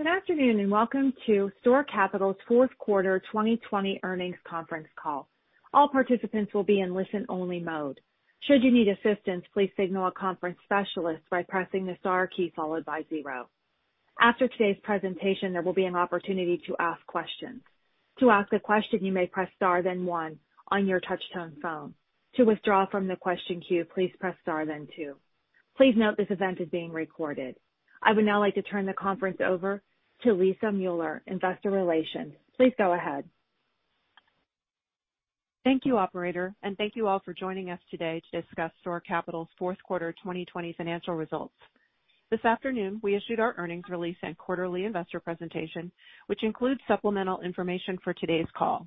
Good afternoon, and welcome to STORE Capital's fourth quarter 2020 earnings conference call. All participants will be in listen only mode. Should you need assistance, please signal a conference specialist by pressing the star key followed by zero. After today's presentation, there will be an opportunity to ask questions. To ask a question, you may press star then one on your touch-tone phone. To withdraw from the question queue, please press star then two. Please note this event is being recorded. I would now like to turn the conference over to Lisa Mueller, Investor Relations. Please go ahead. Thank you, operator, and thank you all for joining us today to discuss STORE Capital's fourth quarter 2020 financial results. This afternoon, we issued our earnings release and quarterly investor presentation, which includes supplemental information for today's call.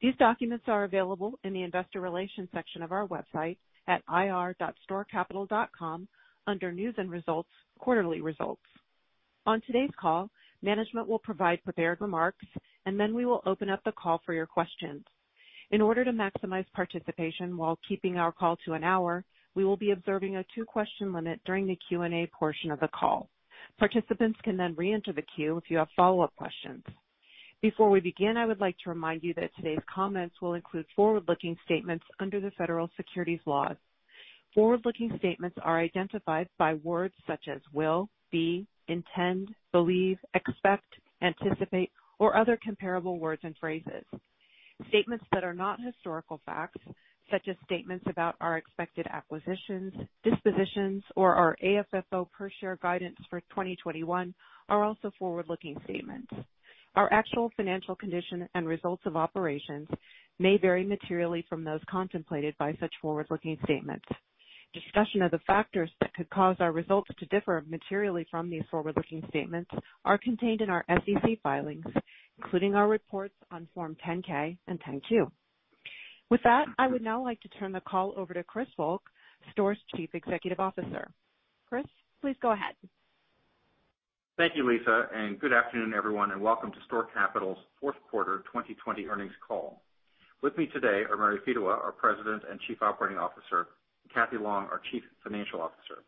These documents are available in the investor relations section of our website at ir.storecapital.com under news and results, quarterly results. On today's call, management will provide prepared remarks, and then we will open up the call for your questions. In order to maximize participation while keeping our call to an hour, we will be observing a two-question limit during the Q&A portion of the call. Participants can then re-enter the queue if you have follow-up questions. Before we begin, I would like to remind you that today's comments will include forward-looking statements under the federal securities laws. Forward-looking statements are identified by words such as will, be, intend, believe, expect, anticipate, or other comparable words and phrases. Statements that are not historical facts, such as statements about our expected acquisitions, dispositions, or our AFFO per share guidance for 2021 are also forward-looking statements. Our actual financial condition and results of operations may vary materially from those contemplated by such forward-looking statements. Discussion of the factors that could cause our results to differ materially from these forward-looking statements are contained in our SEC filings, including our reports on Form 10-K and 10-Q. With that, I would now like to turn the call over to Chris Volk, STORE's Chief Executive Officer. Chris, please go ahead. Thank you, Lisa, good afternoon, everyone, and welcome to STORE Capital's fourth quarter 2020 earnings call. With me today are Mary Fedewa, our President and Chief Operating Officer, and Cathy Long, our Chief Financial Officer.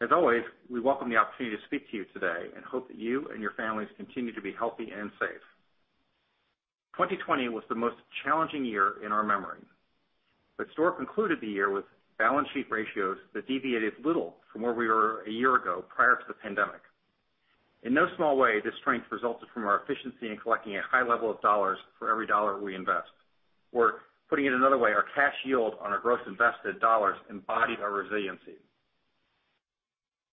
As always, we welcome the opportunity to speak to you today and hope that you and your families continue to be healthy and safe. 2020 was the most challenging year in our memory. STORE concluded the year with balance sheet ratios that deviated little from where we were a year ago, prior to the pandemic. In no small way, this strength resulted from our efficiency in collecting a high level of dollars for every dollar we invest. Putting it another way, our cash yield on our gross invested dollars embodied our resiliency.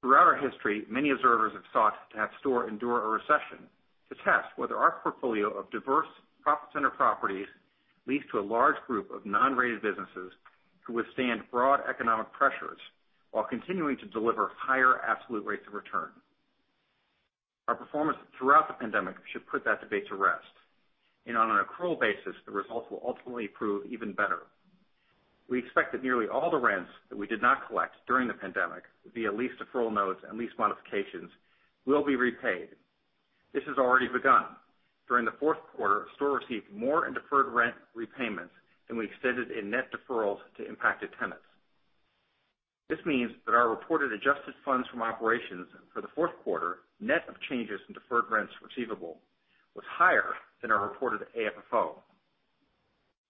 Throughout our history, many observers have sought to have STORE endure a recession to test whether our portfolio of diverse profit center properties leads to a large group of non-rated businesses to withstand broad economic pressures while continuing to deliver higher absolute rates of return. Our performance throughout the pandemic should put that debate to rest. On an accrual basis, the results will ultimately prove even better. We expect that nearly all the rents that we did not collect during the pandemic via lease deferral notes and lease modifications will be repaid. This has already begun. During the fourth quarter, STORE received more in deferred rent repayments than we extended in net deferrals to impacted tenants. This means that our reported adjusted funds from operations for the fourth quarter, net of changes in deferred rents receivable, was higher than our reported AFFO.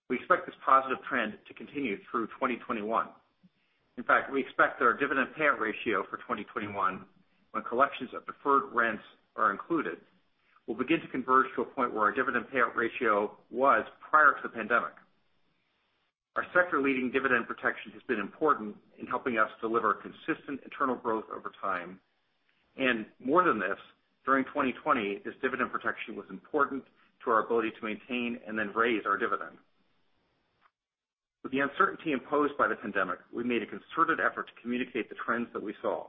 We expect this positive trend to continue through 2021. In fact, we expect that our dividend payout ratio for 2021, when collections of deferred rents are included, will begin to converge to a point where our dividend payout ratio was prior to the pandemic. Our sector-leading dividend protection has been important in helping us deliver consistent internal growth over time. More than this, during 2020, this dividend protection was important to our ability to maintain and then raise our dividend. With the uncertainty imposed by the pandemic, we made a concerted effort to communicate the trends that we saw,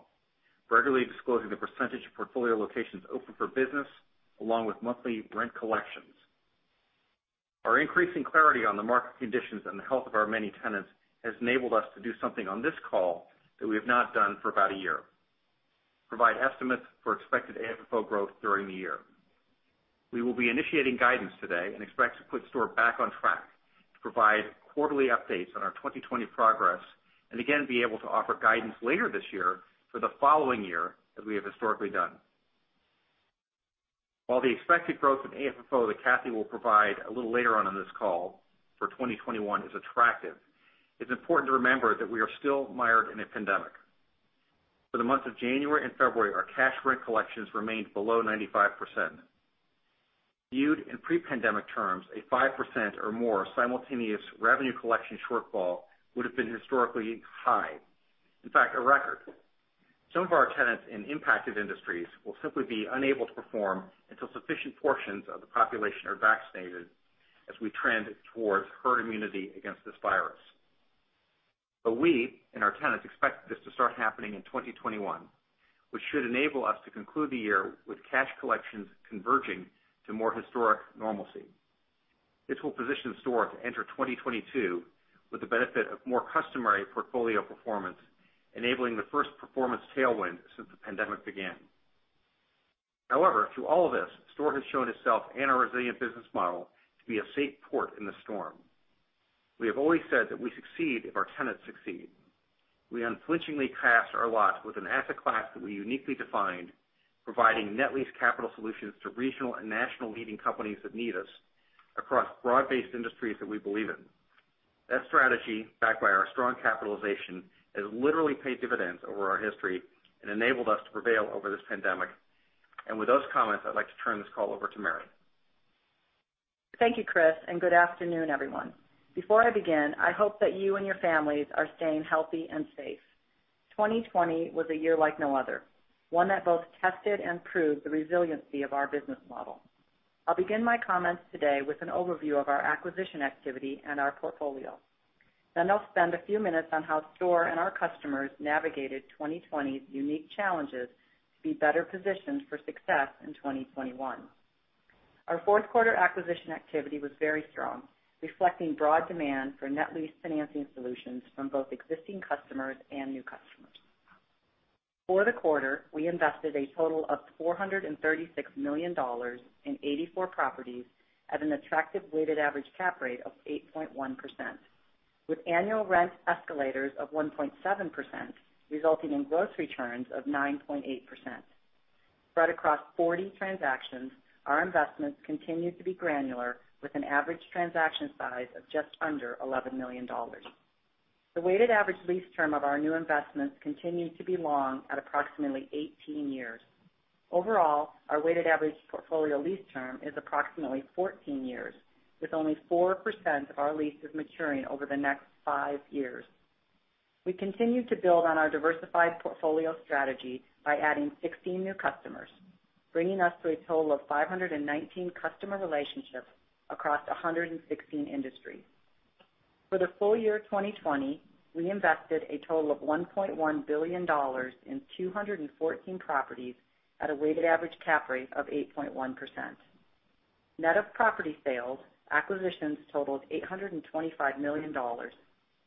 regularly disclosing the percentage of portfolio locations open for business, along with monthly rent collections. Our increasing clarity on the market conditions and the health of our many tenants has enabled us to do something on this call that we have not done for about one year. Provide estimates for expected AFFO growth during the year. We will be initiating guidance today and expect to put STORE back on track to provide quarterly updates on our 2020 progress and again, be able to offer guidance later this year for the following year as we have historically done. While the expected growth in AFFO that Cathy will provide a little later on in this call for 2021 is attractive, it's important to remember that we are still mired in a pandemic. For the months of January and February, our cash rent collections remained below 95%. Viewed in pre-pandemic terms, a 5% or more simultaneous revenue collection shortfall would have been historically high. In fact, a record. Some of our tenants in impacted industries will simply be unable to perform until sufficient portions of the population are vaccinated as we trend towards herd immunity against this virus. We and our tenants expect this to start happening in 2021, which should enable us to conclude the year with cash collections converging to more historic normalcy. This will position STORE to enter 2022 with the benefit of more customary portfolio performance, enabling the first performance tailwind since the pandemic began. Through all of this, STORE has shown itself and our resilient business model to be a safe port in the storm. We have always said that we succeed if our tenants succeed. We unflinchingly cast our lot with an asset class that we uniquely define, providing net lease capital solutions to regional and national leading companies that need us across broad-based industries that we believe in. That strategy, backed by our strong capitalization, has literally paid dividends over our history and enabled us to prevail over this pandemic. With those comments, I'd like to turn this call over to Mary. Thank you, Chris. Good afternoon, everyone. Before I begin, I hope that you and your families are staying healthy and safe. 2020 was a year like no other, one that both tested and proved the resiliency of our business model. I'll begin my comments today with an overview of our acquisition activity and our portfolio. I'll spend a few minutes on how STORE and our customers navigated 2020's unique challenges to be better positioned for success in 2021. Our fourth quarter acquisition activity was very strong, reflecting broad demand for net lease financing solutions from both existing customers and new customers. For the quarter, we invested a total of $436 million in 84 properties at an attractive weighted average cap rate of 8.1%, with annual rent escalators of 1.7%, resulting in gross returns of 9.8%. Spread across 40 transactions, our investments continued to be granular, with an average transaction size of just under $11 million. The weighted average lease term of our new investments continued to be long at approximately 18 years. Overall, our weighted average portfolio lease term is approximately 14 years, with only 4% of our leases maturing over the next five years. We continued to build on our diversified portfolio strategy by adding 16 new customers, bringing us to a total of 519 customer relationships across 116 industries. For the full year 2020, we invested a total of $1.1 billion in 214 properties at a weighted average cap rate of 8.1%. Net of property sales, acquisitions totaled $825 million,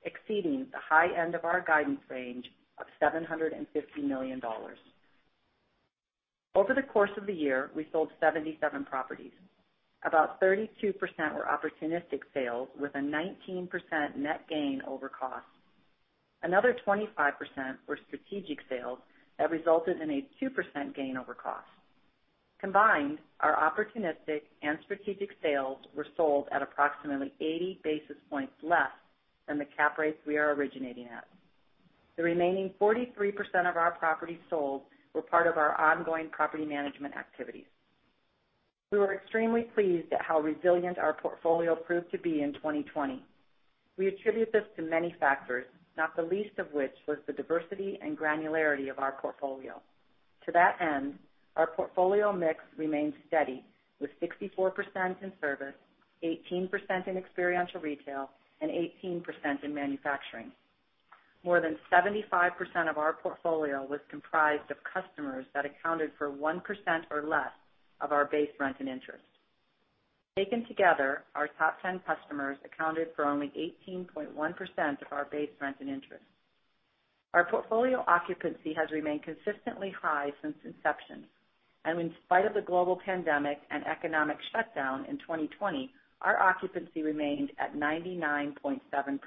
exceeding the high end of our guidance range of $750 million. Over the course of the year, we sold 77 properties. About 32% were opportunistic sales with a 19% net gain over cost. Another 25% were strategic sales that resulted in a 2% gain over cost. Combined, our opportunistic and strategic sales were sold at approximately 80 basis points less than the cap rates we are originating at. The remaining 43% of our properties sold were part of our ongoing property management activities. We were extremely pleased at how resilient our portfolio proved to be in 2020. We attribute this to many factors, not the least of which was the diversity and granularity of our portfolio. To that end, our portfolio mix remained steady, with 64% in service, 18% in experiential retail, and 18% in manufacturing. More than 75% of our portfolio was comprised of customers that accounted for 1% or less of our base rent and interest. Taken together, our top 10 customers accounted for only 18.1% of our base rent and interest. Our portfolio occupancy has remained consistently high since inception. In spite of the global pandemic and economic shutdown in 2020, our occupancy remained at 99.7%,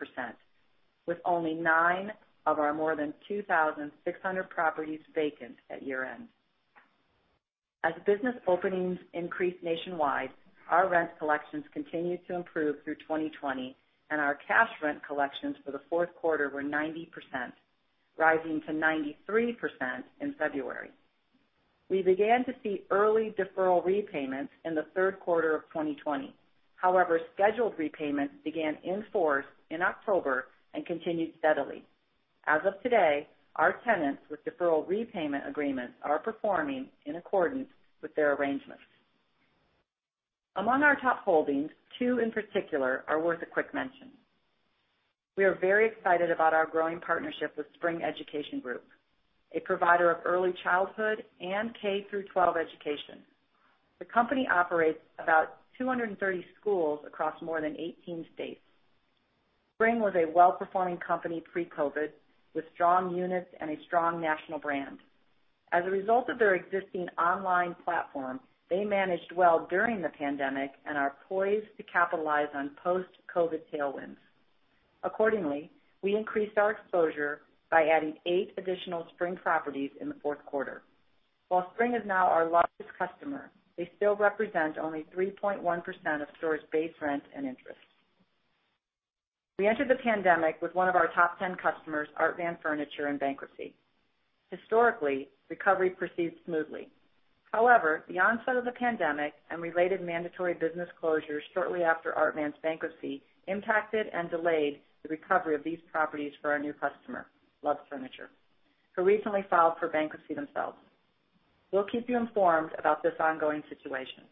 with only nine of our more than 2,600 properties vacant at year-end. As business openings increased nationwide, our rent collections continued to improve through 2020. Our cash rent collections for the fourth quarter were 90%, rising to 93% in February. We began to see early deferral repayments in the third quarter of 2020. However, scheduled repayments began in force in October and continued steadily. As of today, our tenants with deferral repayment agreements are performing in accordance with their arrangements. Among our top holdings, two in particular are worth a quick mention. We are very excited about our growing partnership with Spring Education Group, a provider of early childhood and K-12 education. The company operates about 230 schools across more than 18 states. Spring was a well-performing company pre-COVID, with strong units and a strong national brand. As a result of their existing online platform, they managed well during the pandemic and are poised to capitalize on post-COVID tailwinds. Accordingly, we increased our exposure by adding eight additional Spring properties in the fourth quarter. While Spring is now our largest customer, they still represent only 3.1% of STORE's base rent and interest. We entered the pandemic with one of our top 10 customers, Art Van Furniture, in bankruptcy. Historically, recovery proceeded smoothly. However, the onset of the pandemic and related mandatory business closures shortly after Art Van's bankruptcy impacted and delayed the recovery of these properties for our new customer, Loves Furniture, who recently filed for bankruptcy themselves. We'll keep you informed about this ongoing situation.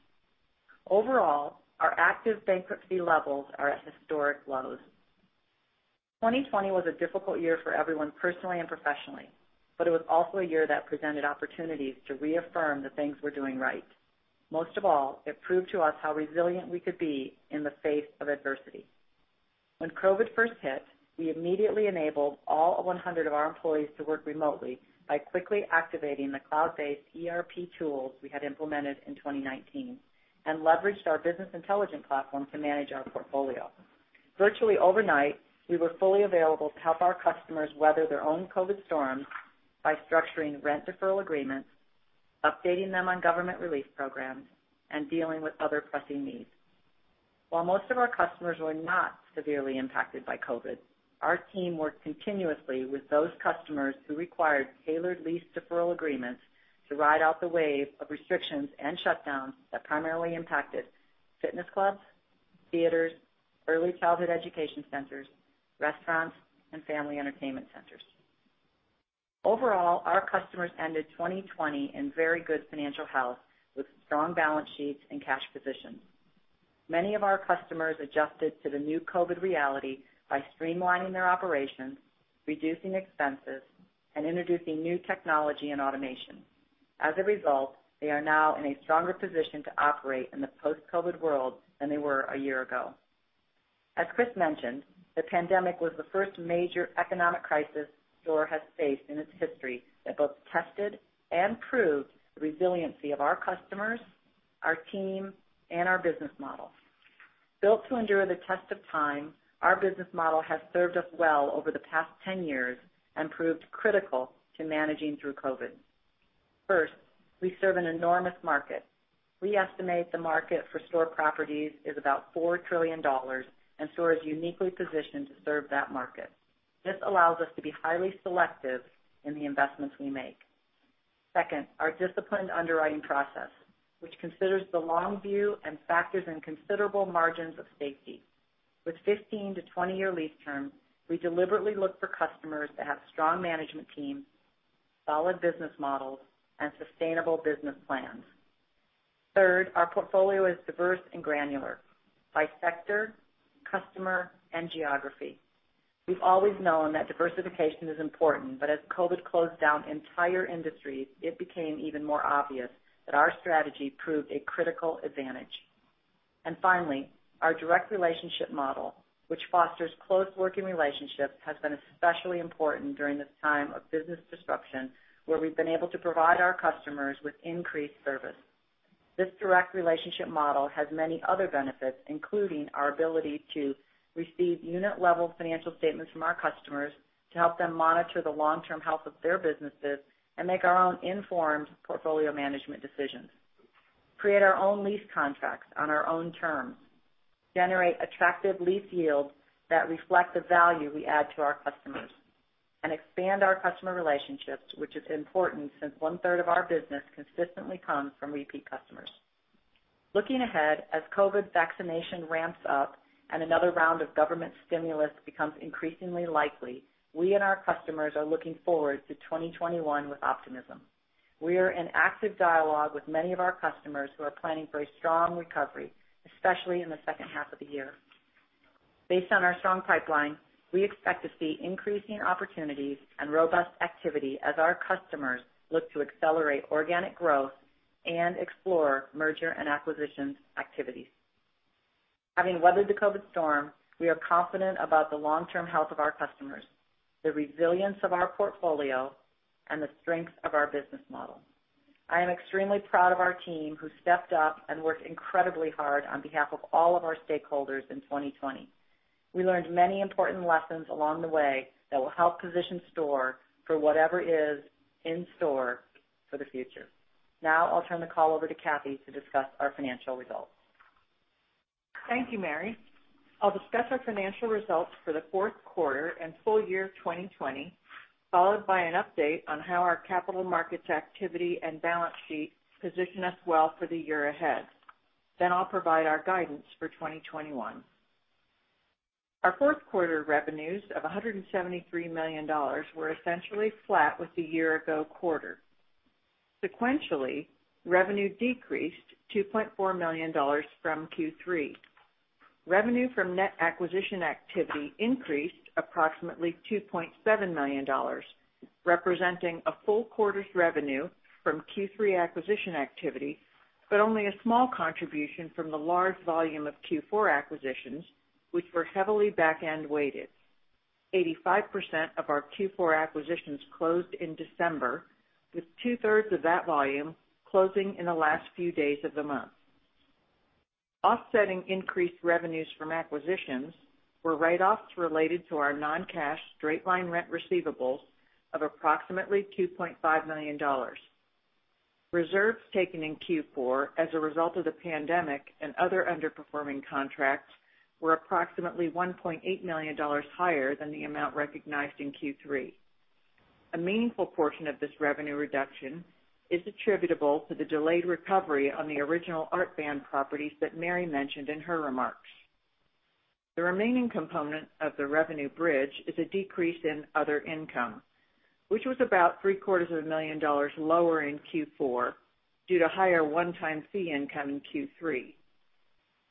Overall, our active bankruptcy levels are at historic lows. 2020 was a difficult year for everyone personally and professionally, but it was also a year that presented opportunities to reaffirm the things we're doing right. Most of all, it proved to us how resilient we could be in the face of adversity. When COVID first hit, we immediately enabled all 100 of our employees to work remotely by quickly activating the cloud-based ERP tools we had implemented in 2019 and leveraged our business intelligence platform to manage our portfolio. Virtually overnight, we were fully available to help our customers weather their own COVID storm by structuring rent deferral agreements, updating them on government relief programs, and dealing with other pressing needs. While most of our customers were not severely impacted by COVID, our team worked continuously with those customers who required tailored lease deferral agreements to ride out the wave of restrictions and shutdowns that primarily impacted fitness clubs, theaters, early childhood education centers, restaurants, and family entertainment centers. Overall, our customers ended 2020 in very good financial health with strong balance sheets and cash positions. Many of our customers adjusted to the new COVID reality by streamlining their operations, reducing expenses, and introducing new technology and automation. As a result, they are now in a stronger position to operate in the post-COVID world than they were a year ago. As Chris mentioned, the pandemic was the first major economic crisis STORE has faced in its history that both tested and proved the resiliency of our customers, our team, and our business model. Built to endure the test of time, our business model has served us well over the past 10 years and proved critical to managing through COVID. First, we serve an enormous market. We estimate the market for STORE properties is about $4 trillion, and STORE is uniquely positioned to serve that market. This allows us to be highly selective in the investments we make. Second, our disciplined underwriting process, which considers the long view and factors in considerable margins of safety. With 15-20-year lease terms, we deliberately look for customers that have strong management teams, solid business models, and sustainable business plans. Third, our portfolio is diverse and granular by sector, customer, and geography. We've always known that diversification is important, but as COVID closed down entire industries, it became even more obvious that our strategy proved a critical advantage. Finally, our direct relationship model, which fosters close working relationships, has been especially important during this time of business disruption, where we've been able to provide our customers with increased service. This direct relationship model has many other benefits, including our ability to receive unit-level financial statements from our customers to help them monitor the long-term health of their businesses and make our own informed portfolio management decisions, create our own lease contracts on our own terms, generate attractive lease yields that reflect the value we add to our customers, and expand our customer relationships, which is important since 1/3 of our business consistently comes from repeat customers. Looking ahead, as COVID vaccination ramps up and another round of government stimulus becomes increasingly likely, we and our customers are looking forward to 2021 with optimism. We are in active dialogue with many of our customers who are planning for a strong recovery, especially in the second half of the year. Based on our strong pipeline, we expect to see increasing opportunities and robust activity as our customers look to accelerate organic growth and explore merger and acquisitions activities. Having weathered the COVID storm, we are confident about the long-term health of our customers, the resilience of our portfolio, and the strength of our business model. I am extremely proud of our team, who stepped up and worked incredibly hard on behalf of all of our stakeholders in 2020. We learned many important lessons along the way that will help position STORE for whatever is in store for the future. Now I'll turn the call over to Cathy to discuss our financial results. Thank you, Mary. I'll discuss our financial results for the fourth quarter and full year 2020, followed by an update on how our capital markets activity and balance sheet position us well for the year ahead. I'll provide our guidance for 2021. Our fourth quarter revenues of $173 million were essentially flat with the year-ago quarter. Sequentially, revenue decreased $2.4 million from Q3. Revenue from net acquisition activity increased approximately $2.7 million, representing a full quarter's revenue from Q3 acquisition activity, but only a small contribution from the large volume of Q4 acquisitions, which were heavily back-end weighted. 85% of our Q4 acquisitions closed in December, with two-thirds of that volume closing in the last few days of the month. Offsetting increased revenues from acquisitions were write-offs related to our non-cash straight-line rent receivables of approximately $2.5 million. Reserves taken in Q4 as a result of the pandemic and other underperforming contracts were approximately $1.8 million higher than the amount recognized in Q3. A meaningful portion of this revenue reduction is attributable to the delayed recovery on the original Art Van properties that Mary mentioned in her remarks. The remaining component of the revenue bridge is a decrease in other income, which was about three-quarters of a million dollars lower in Q4 due to higher one-time fee income in Q3.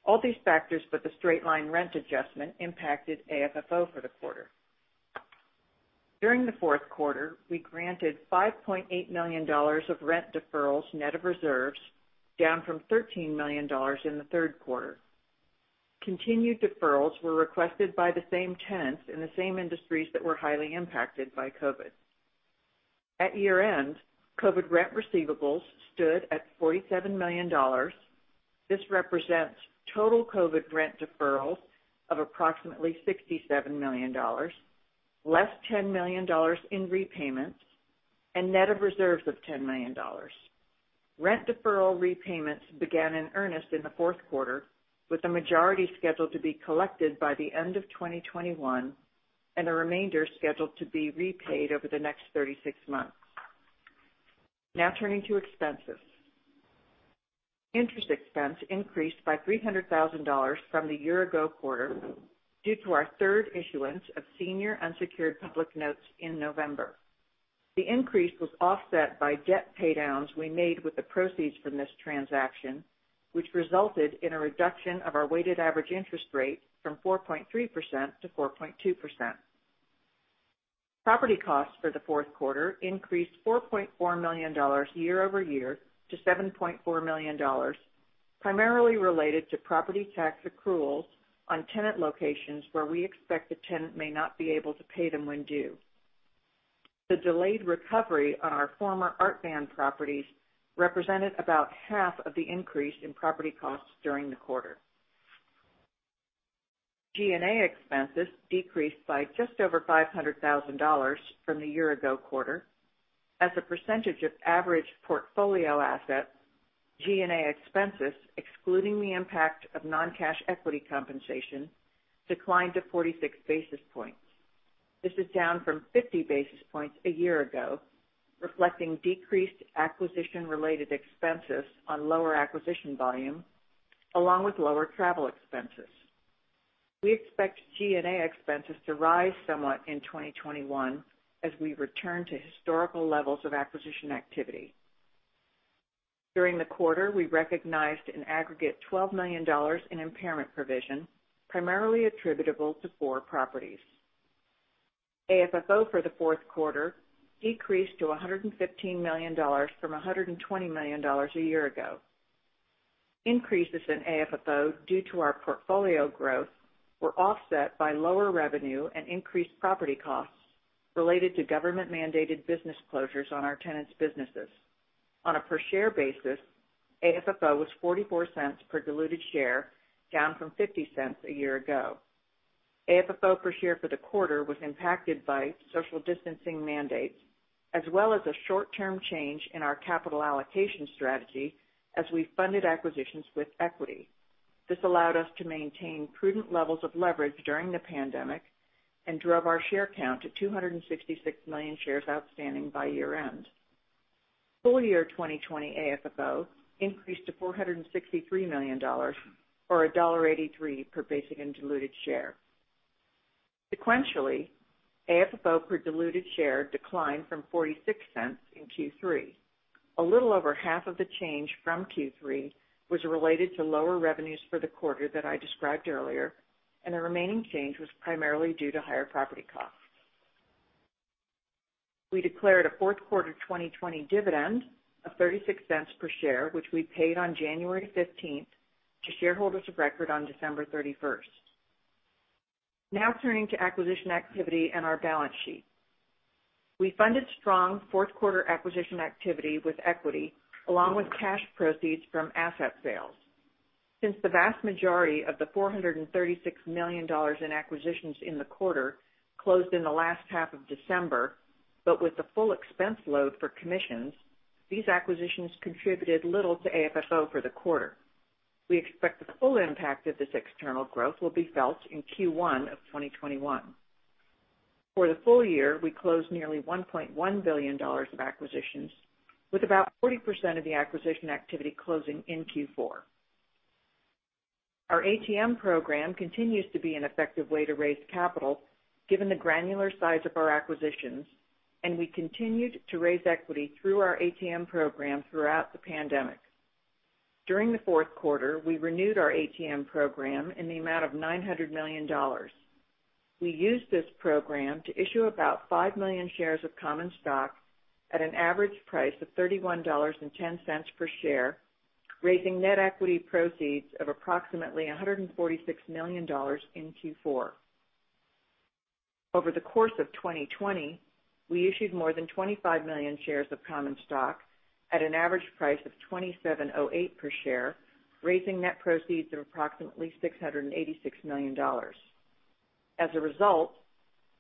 All these factors, but the straight-line rent adjustment impacted AFFO for the quarter. During the fourth quarter, we granted $5.8 million of rent deferrals net of reserves, down from $13 million in the third quarter. Continued deferrals were requested by the same tenants in the same industries that were highly impacted by COVID. At year-end, COVID rent receivables stood at $47 million. This represents total COVID rent deferrals of approximately $67 million, less $10 million in repayments and net of reserves of $10 million. Rent deferral repayments began in earnest in the fourth quarter, with the majority scheduled to be collected by the end of 2021, and the remainder scheduled to be repaid over the next 36 months. Now turning to expenses. Interest expense increased by $300,000 from the year ago quarter due to our third issuance of senior unsecured public notes in November. The increase was offset by debt paydowns we made with the proceeds from this transaction, which resulted in a reduction of our weighted average interest rate from 4.3% to 4.2%. Property costs for the fourth quarter increased $4.4 million year-over-year to $7.4 million, primarily related to property tax accruals on tenant locations where we expect the tenant may not be able to pay them when due. The delayed recovery on our former Art Van properties represented about half of the increase in property costs during the quarter. G&A expenses decreased by just over $500,000 from the year-ago quarter. As a percentage of average portfolio assets, G&A expenses, excluding the impact of non-cash equity compensation, declined to 46 basis points. This is down from 50 basis points a year-ago, reflecting decreased acquisition-related expenses on lower acquisition volume, along with lower travel expenses. We expect G&A expenses to rise somewhat in 2021 as we return to historical levels of acquisition activity. During the quarter, we recognized an aggregate $12 million in impairment provision, primarily attributable to four properties. AFFO for the fourth quarter decreased to $115 million from $120 million a year-ago. Increases in AFFO due to our portfolio growth were offset by lower revenue and increased property costs related to government-mandated business closures on our tenants' businesses. On a per share basis, AFFO was $0.44 per diluted share, down from $0.50 a year ago. AFFO per share for the quarter was impacted by social distancing mandates, as well as a short-term change in our capital allocation strategy as we funded acquisitions with equity. This allowed us to maintain prudent levels of leverage during the pandemic and drove our share count to 266 million shares outstanding by year-end. Full year 2020 AFFO increased to $463 million, or $1.83 per basic and diluted share. Sequentially, AFFO per diluted share declined from $0.46 in Q3. A little over half of the change from Q3 was related to lower revenues for the quarter that I described earlier. The remaining change was primarily due to higher property costs. We declared a fourth quarter 2020 dividend of $0.36 per share, which we paid on January 15th to shareholders of record on December 31st. Now turning to acquisition activity and our balance sheet. We funded strong fourth quarter acquisition activity with equity along with cash proceeds from asset sales. Since the vast majority of the $436 million in acquisitions in the quarter closed in the last half of December, but with the full expense load for commissions, these acquisitions contributed little to AFFO for the quarter. We expect the full impact of this external growth will be felt in Q1 of 2021. For the full year, we closed nearly $1.1 billion of acquisitions, with about 40% of the acquisition activity closing in Q4. Our ATM program continues to be an effective way to raise capital given the granular size of our acquisitions, and we continued to raise equity through our ATM program throughout the pandemic. During the fourth quarter, we renewed our ATM program in the amount of $900 million. We used this program to issue about 5 million shares of common stock at an average price of $31.10 per share, raising net equity proceeds of approximately $146 million in Q4. Over the course of 2020, we issued more than 25 million shares of common stock at an average price of $27.08 per share, raising net proceeds of approximately $686 million. As a result,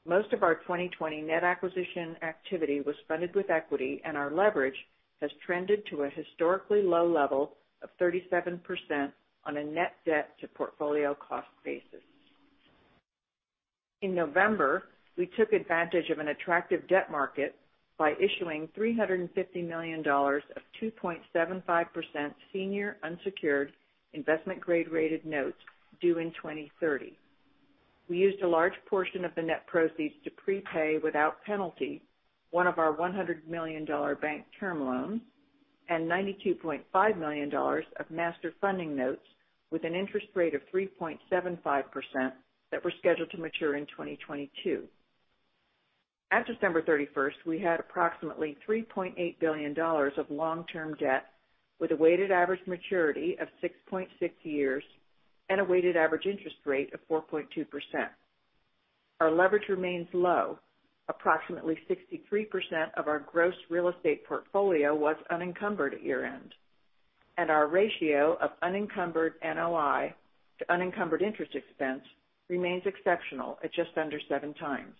most of our 2020 net acquisition activity was funded with equity, and our leverage has trended to a historically low level of 37% on a net debt to portfolio cost basis. In November, we took advantage of an attractive debt market by issuing $350 million of 2.75% senior unsecured investment grade rated notes due in 2030. We used a large portion of the net proceeds to prepay without penalty one of our $100 million bank term loans and $92.5 million of Master Funding notes with an interest rate of 3.75% that were scheduled to mature in 2022. At December 31st, we had approximately $3.8 billion of long-term debt with a weighted average maturity of six point six years and a weighted average interest rate of 4.2%. Our leverage remains low. Approximately 63% of our gross real estate portfolio was unencumbered at year-end, and our ratio of unencumbered NOI to unencumbered interest expense remains exceptional at just under seven times.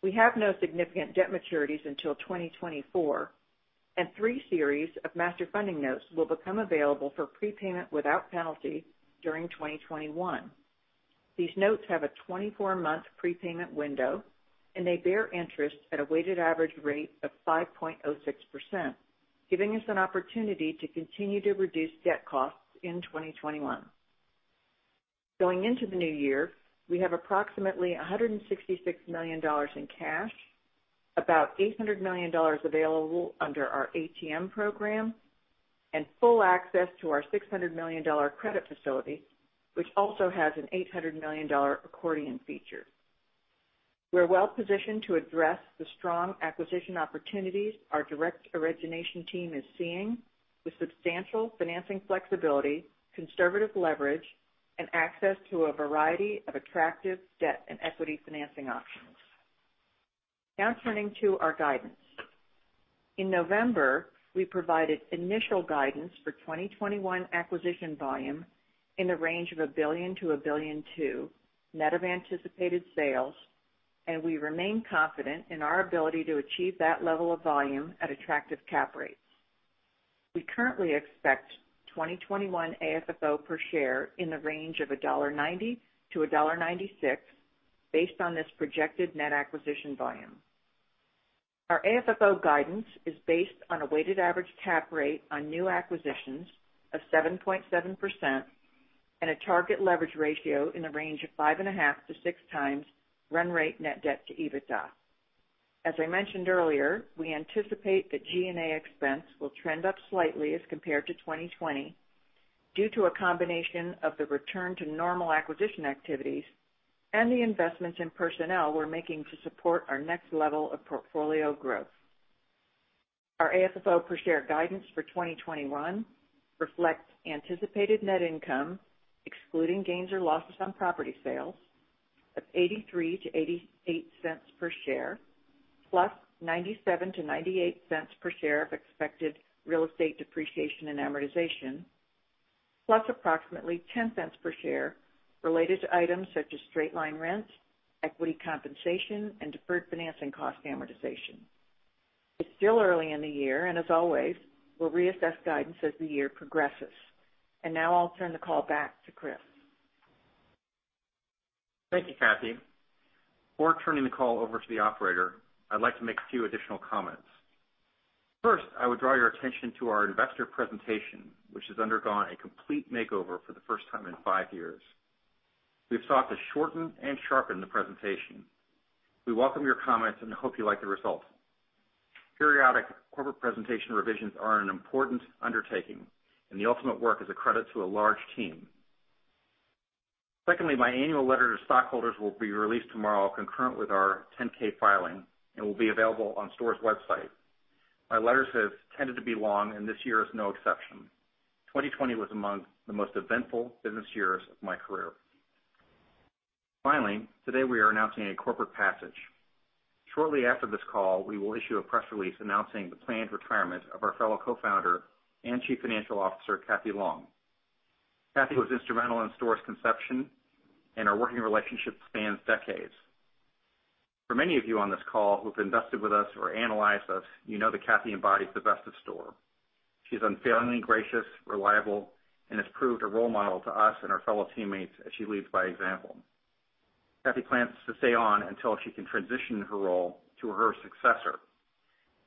We have no significant debt maturities until 2024, and three series of Master Funding notes will become available for prepayment without penalty during 2021. These notes have a 24-month prepayment window, and they bear interest at a weighted average rate of 5.06%, giving us an opportunity to continue to reduce debt costs in 2021. Going into the new year, we have approximately $166 million in cash, about $800 million available under our ATM program, and full access to our $600 million credit facility, which also has an $800 million accordion feature. We're well-positioned to address the strong acquisition opportunities our direct origination team is seeing with substantial financing flexibility, conservative leverage, and access to a variety of attractive debt and equity financing options. Turning to our guidance. In November, we provided initial guidance for 2021 acquisition volume in the range of $1 billion-$1.2 billion, net of anticipated sales. We remain confident in our ability to achieve that level of volume at attractive cap rates. We currently expect 2021 AFFO per share in the range of $1.90-$1.96 based on this projected net acquisition volume. Our AFFO guidance is based on a weighted average cap rate on new acquisitions of 7.7% and a target leverage ratio in the range of 5.5-6 times run rate net debt to EBITDA. As I mentioned earlier, we anticipate that G&A expense will trend up slightly as compared to 2020 due to a combination of the return to normal acquisition activities and the investments in personnel we're making to support our next level of portfolio growth. Our AFFO per share guidance for 2021 reflects anticipated net income, excluding gains or losses on property sales, of $0.83-$0.88 per share, plus $0.97-$0.98 per share of expected real estate depreciation and amortization, plus approximately $0.10 per share related to items such as straight-line rent, equity compensation, and deferred financing cost amortization. It's still early in the year, as always, we'll reassess guidance as the year progresses. Now I'll turn the call back to Chris. Thank you, Cathy. Before turning the call over to the operator, I'd like to make a few additional comments. First, I would draw your attention to our investor presentation, which has undergone a complete makeover for the first time in five years. We've sought to shorten and sharpen the presentation. We welcome your comments and hope you like the result. Periodic corporate presentation revisions are an important undertaking, and the ultimate work is a credit to a large team. Secondly, my annual letter to stockholders will be released tomorrow concurrent with our 10-K filing and will be available on STORE's website. My letters have tended to be long, and this year is no exception. 2020 was among the most eventful business years of my career. Finally, today we are announcing a corporate passage. Shortly after this call, we will issue a press release announcing the planned retirement of our fellow co-founder and Chief Financial Officer, Cathy Long. Cathy was instrumental in STORE's conception, and our working relationship spans decades. For many of you on this call who've invested with us or analyzed us, you know that Cathy embodies the best of STORE. She's unfailingly gracious, reliable, and has proved a role model to us and our fellow teammates as she leads by example. Cathy plans to stay on until she can transition her role to her successor.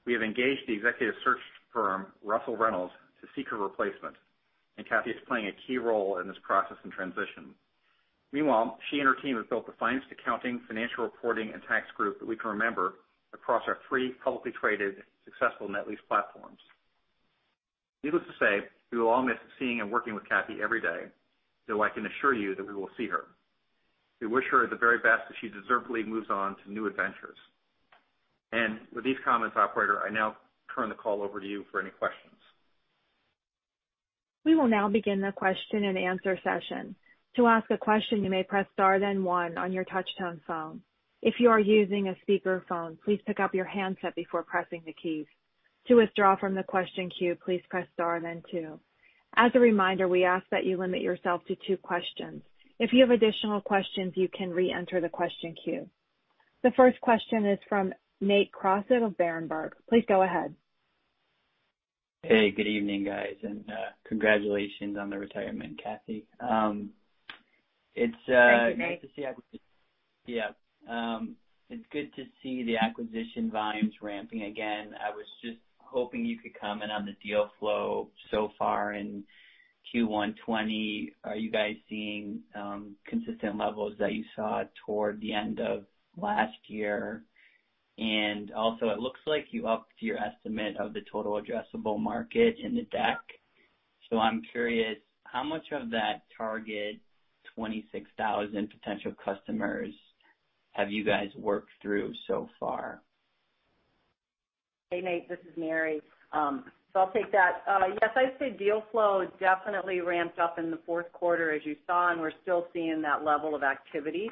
We have engaged the executive search firm, Russell Reynolds, to seek her replacement, and Cathy is playing a key role in this process and transition. Meanwhile, she and her team have built the finest accounting, financial reporting, and tax group that we can remember across our three publicly traded successful net lease platforms. Needless to say, we will all miss seeing and working with Cathy every day, though I can assure you that we will see her. We wish her the very best as she deservedly moves on to new adventures. With these comments, Operator, I now turn the call over to you for any questions. The first question is from Nate Crosson of Berenberg. Please go ahead. Hey, good evening, guys. Congratulations on the retirement, Cathy. Thank you, Nate. Yeah. It's good to see the acquisition volumes ramping again. I was just hoping you could comment on the deal flow so far in Q1 2020. Are you guys seeing consistent levels that you saw toward the end of last year? Also, it looks like you upped your estimate of the total addressable market in the deck. I'm curious, how much of that target 26,000 potential customers have you guys worked through so far? Hey, Nate, this is Mary. I'll take that. Yes, I'd say deal flow definitely ramped up in the fourth quarter, as you saw, and we're still seeing that level of activity.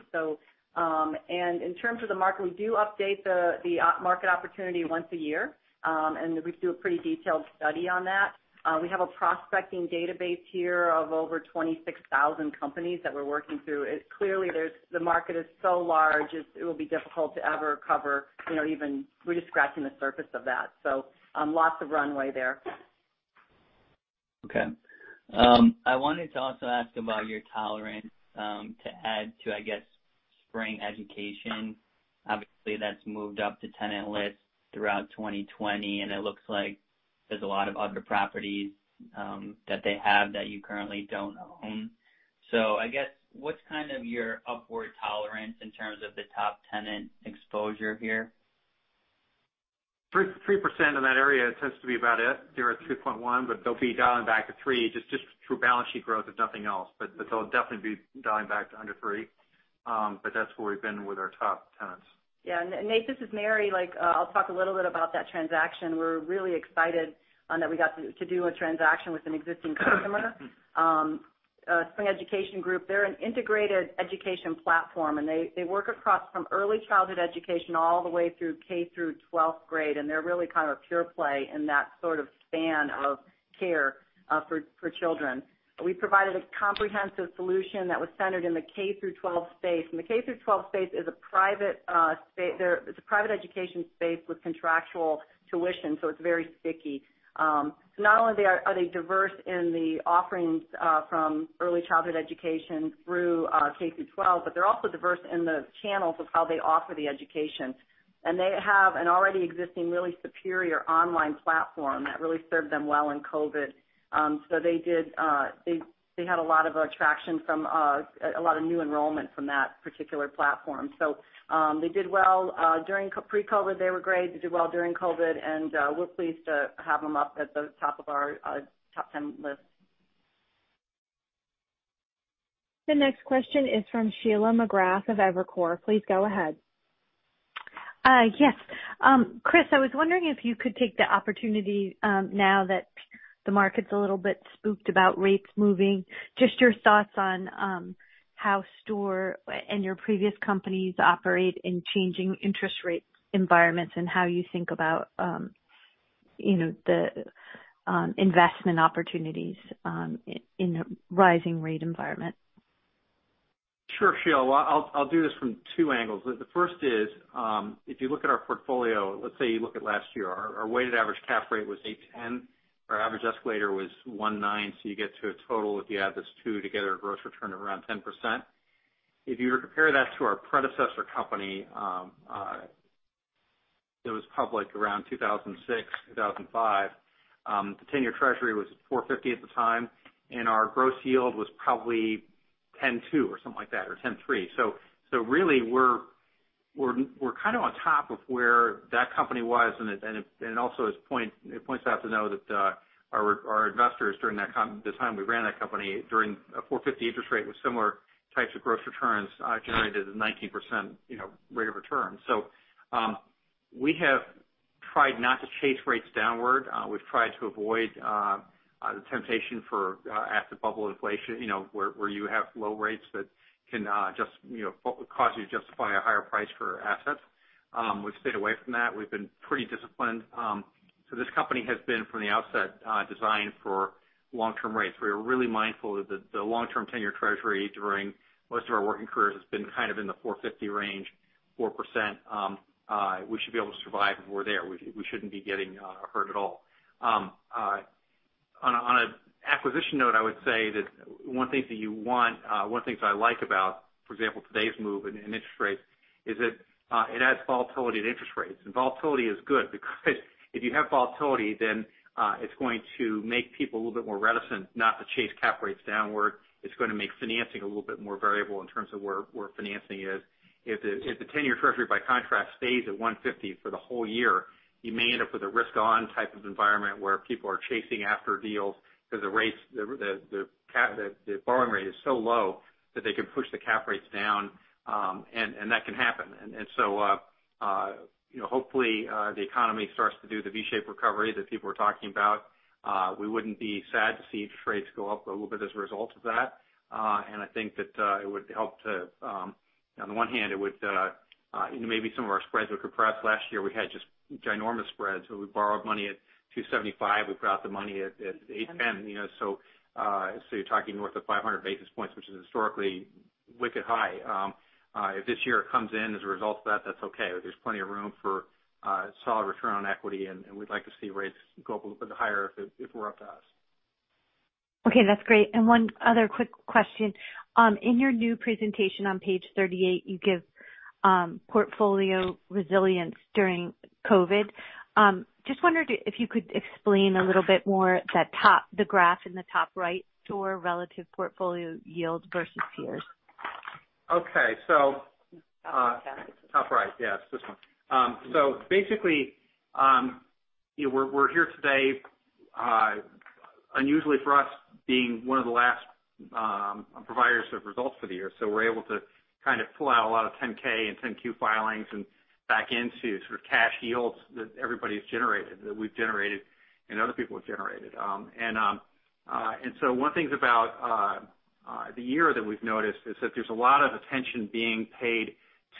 In terms of the market, we do update the market opportunity once a year, and we do a pretty detailed study on that. We have a prospecting database here of over 26,000 companies that we're working through. Clearly, the market is so large, it will be difficult to ever cover, we're just scratching the surface of that. Lots of runway there. Okay. I wanted to also ask about your tolerance to add to, I guess, Spring Education. Obviously, that's moved up to tenant list throughout 2020, and it looks like there's a lot of other properties that they have that you currently don't own. I guess, what's kind of your upward tolerance in terms of the top tenant exposure here? 3% in that area tends to be about it. They're at three point one, they'll be dialing back to three, just through balance sheet growth, if nothing else. They'll definitely be dialing back to under three. That's where we've been with our top tenants. Yeah. Nate, this is Mary. I'll talk a little bit about that transaction. We're really excited that we got to do a transaction with an existing customer. Spring Education Group, they're an integrated education platform. They work across from early childhood education all the way through K through 12th grade. They're really kind of a pure play in that sort of span of care for children. We provided a comprehensive solution that was centered in the K through 12 space. The K through 12 space is a private education space with contractual tuition, it's very sticky. Not only are they diverse in the offerings from early childhood education through K through 12, they're also diverse in the channels of how they offer the education. They have an already existing, really superior online platform that really served them well in COVID. They had a lot of traction from a lot of new enrollment from that particular platform. They did well during pre-COVID, they were great. They did well during COVID, and we're pleased to have them up at the top of our top 10 list. The next question is from Sheila McGrath of Evercore. Please go ahead. Yes. Chris, I was wondering if you could take the opportunity, now that the market's a little bit spooked about rates moving, just your thoughts on how STORE and your previous companies operate in changing interest rate environments and how you think about the investment opportunities in a rising rate environment? Sure, Sheila. I'll do this from two angles. The first is, if you look at our portfolio, let's say you look at last year, our weighted average cap rate was 810. Our average escalator was 19, so you get to a total, if you add those two together, a gross return of around 10%. If you were to compare that to our predecessor company that was public around 2006, 2005, the 10-year treasury was 450 at the time, and our gross yield was probably 102 or something like that, or 103. Really, we're kind of on top of where that company was, and it also points out to know that our investors during the time we ran that company during a 450 interest rate with similar types of gross returns, generated a 19% rate of return. We have tried not to chase rates downward. We've tried to avoid the temptation for asset bubble inflation, where you have low rates that can cause you to justify a higher price for assets. We've stayed away from that. We've been pretty disciplined. This company has been, from the outset, designed for long-term rates. We are really mindful that the long-term ten-year Treasury during most of our working careers has been kind of in the 4.50% range, 4%. We should be able to survive if we're there. We shouldn't be getting hurt at all. On an acquisition note, I would say that one thing I like about, for example, today's move in interest rates is that it adds volatility to interest rates. Volatility is good because if you have volatility, then it's going to make people a little bit more reticent not to chase cap rates downward. It's going to make financing a little bit more variable in terms of where financing is. If the 10-year Treasury, by contrast, stays at 150 for the whole year, you may end up with a risk-on type of environment where people are chasing after deals because the borrowing rate is so low that they can push the cap rates down, and that can happen. Hopefully, the economy starts to do the V-shape recovery that people are talking about. We wouldn't be sad to see interest rates go up a little bit as a result of that. I think that it would help on the one hand, maybe some of our spreads would compress. Last year, we had just ginormous spreads where we borrowed money at 275, we put out the money at 810. You're talking north of 500 basis points, which is historically wicked high. If this year it comes in as a result of that's okay. There's plenty of room for solid return on equity, and we'd like to see rates go a little bit higher if it were up to us. Okay, that's great. One other quick question. In your new presentation on page 38, you give portfolio resilience during COVID. Just wondered if you could explain a little bit more the graph in the top right, STORE relative portfolio yield versus peers. Okay. Top right, yes. This one. Basically, we're here today, unusually for us, being one of the last providers of results for the year. We're able to pull out a lot of 10-K and 10-Q filings and back into sort of cash yields that everybody's generated, that we've generated and other people have generated. One of the things about the year that we've noticed is that there's a lot of attention being paid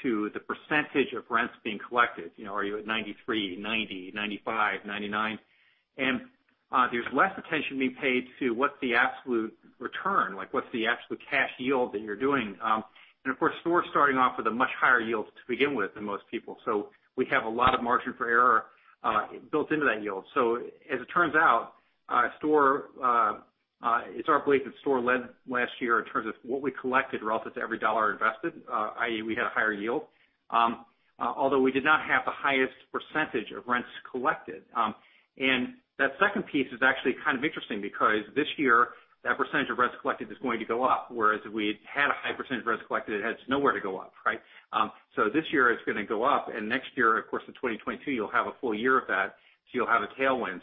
to the percentage of rents being collected. Are you at 93, 90, 95, 99? There's less attention being paid to what the absolute return, like what's the absolute cash yield that you're doing. Of course, STORE starting off with a much higher yield to begin with than most people. We have a lot of margin for error built into that yield. As it turns out, it's our belief that STORE led last year in terms of what we collected relative to every dollar invested, i.e., we had a higher yield. Although we did not have the highest percentage of rents collected. That second piece is actually kind of interesting because this year, that percentage of rents collected is going to go up, whereas if we had a high percentage of rents collected, it has nowhere to go up, right? This year it's going to go up, and next year, of course, in 2022, you'll have a full year of that, so you'll have a tailwind.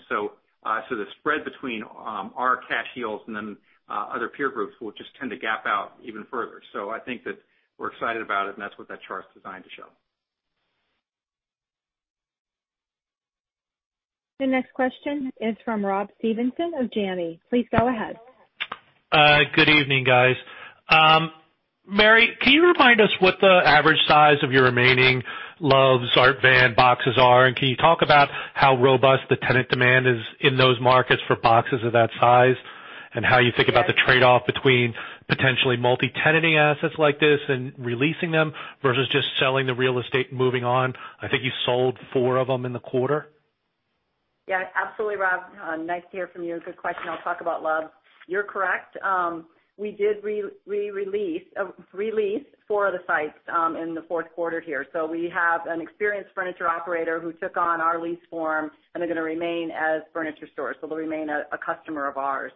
The spread between our cash yields and then other peer groups will just tend to gap out even further. I think that we're excited about it, and that's what that chart's designed to show. The next question is from Rob Stevenson of Janney. Please go ahead. Good evening, guys. Mary, can you remind us what the average size of your remaining Loves Art Van boxes are? Can you talk about how robust the tenant demand is in those markets for boxes of that size? How you think about the trade-off between potentially multi-tenanting assets like this and releasing them, versus just selling the real estate and moving on. I think you sold four of them in the quarter. Yeah, absolutely, Rob. Nice to hear from you. Good question. I'll talk about Loves. You're correct. We did release four of the sites in the fourth quarter here. We have an experienced furniture operator who took on our lease form, and they're going to remain as furniture stores, so they'll remain a customer of ours.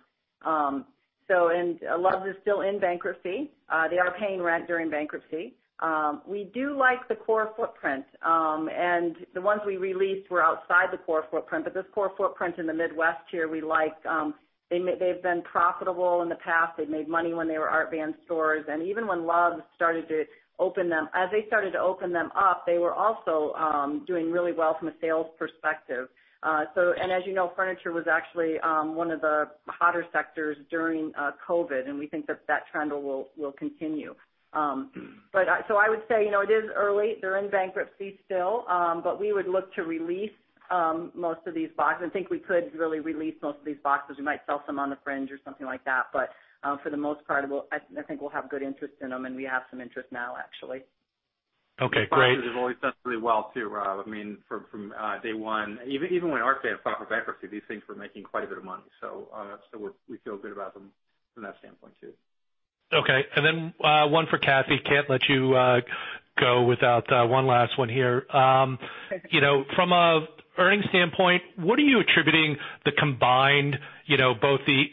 Loves is still in bankruptcy. They are paying rent during bankruptcy. We do like the core footprint. The ones we released were outside the core footprint, but this core footprint in the Midwest here, we like. They've been profitable in the past. They made money when they were Art Van stores. Even when Loves started to open them, as they started to open them up, they were also doing really well from a sales perspective. As you know, furniture was actually one of the hotter sectors during COVID, and we think that trend will continue. I would say, it is early. They're in bankruptcy still. We would look to release most of these boxes. I think we could really release most of these boxes. We might sell some on the fringe or something like that. For the most part, I think we'll have good interest in them, and we have some interest now, actually. Okay, great. These boxes have always done really well, too, Rob. From day one. Even when Art Van filed for bankruptcy, these things were making quite a bit of money. We feel good about them from that standpoint too. Okay. Then one for Cathy, can't let you go without one last one here. From an earnings standpoint, what are you attributing the combined, both the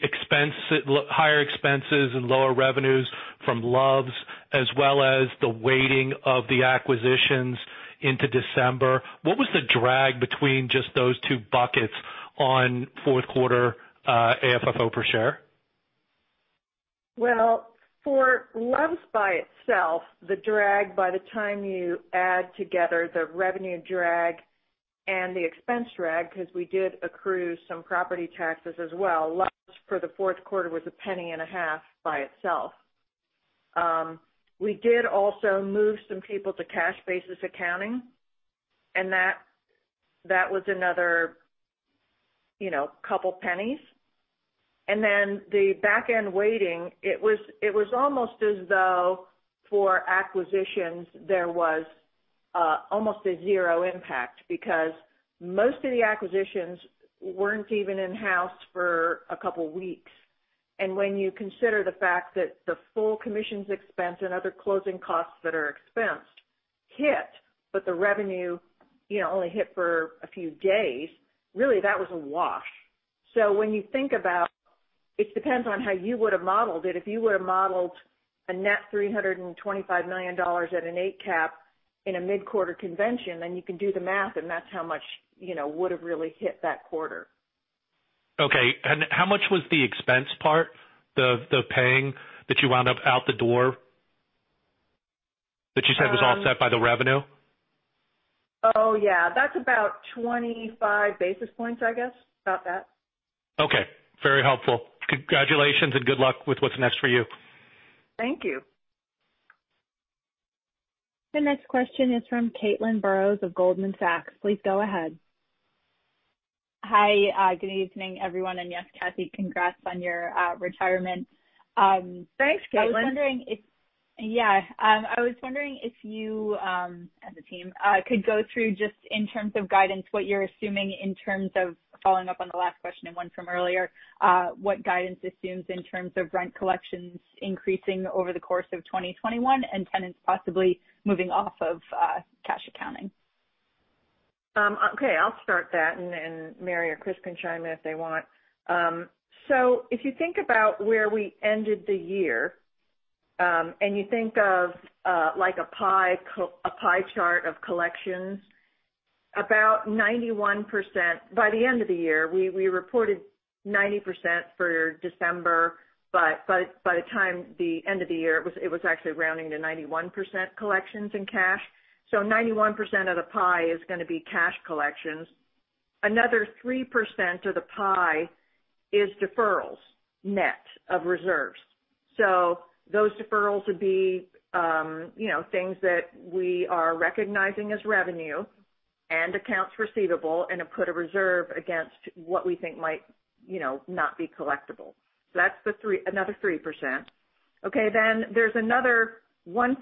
higher expenses and lower revenues from Love's, as well as the weighting of the acquisitions into December? What was the drag between just those two buckets on fourth quarter AFFO per share? For Loves Furniture by itself, the drag by the time you add together the revenue drag and the expense drag, because we did accrue some property taxes as well. Loves Furniture for the fourth quarter was a penny and a half by itself. We did also move some people to cash basis accounting, that was another couple pennies. The back end weighting, it was almost as though for acquisitions, there was almost a zero impact because most of the acquisitions weren't even in-house for a couple weeks. When you consider the fact that the full commissions expense and other closing costs that are expensed hit, but the revenue only hit for a few days, really that was a wash. When you think about it depends on how you would've modeled it. If you would've modeled a net $325 million at an eight cap in a mid-quarter convention, you can do the math, and that's how much would've really hit that quarter. Okay. How much was the expense part? The paying that you wound up out the door that you said was offset by the revenue? Oh, yeah. That's about 25 basis points, I guess. About that. Okay. Very helpful. Congratulations and good luck with what's next for you. Thank you. The next question is from Caitlin Burrows of Goldman Sachs. Please go ahead. Hi. Good evening, everyone. Yes, Cathy, congrats on your retirement. Thanks, Caitlin. Yeah. I was wondering if you, as a team, could go through just in terms of guidance, what you're assuming in terms of following up on the last question and one from earlier, what guidance assumes in terms of rent collections increasing over the course of 2021 and tenants possibly moving off of cash accounting? I'll start that, and Mary or Chris can chime in if they want. If you think about where we ended the year, and you think of a pie chart of collections About 91% by the end of the year. We reported 90% for December, by the time the end of the year, it was actually rounding to 91% collections in cash. 91% of the pie is going to be cash collections. Another 3% of the pie is deferrals, net of reserves. Those deferrals would be things that we are recognizing as revenue and accounts receivable and have put a reserve against what we think might not be collectible. That's another 3%. Okay. There's another 1%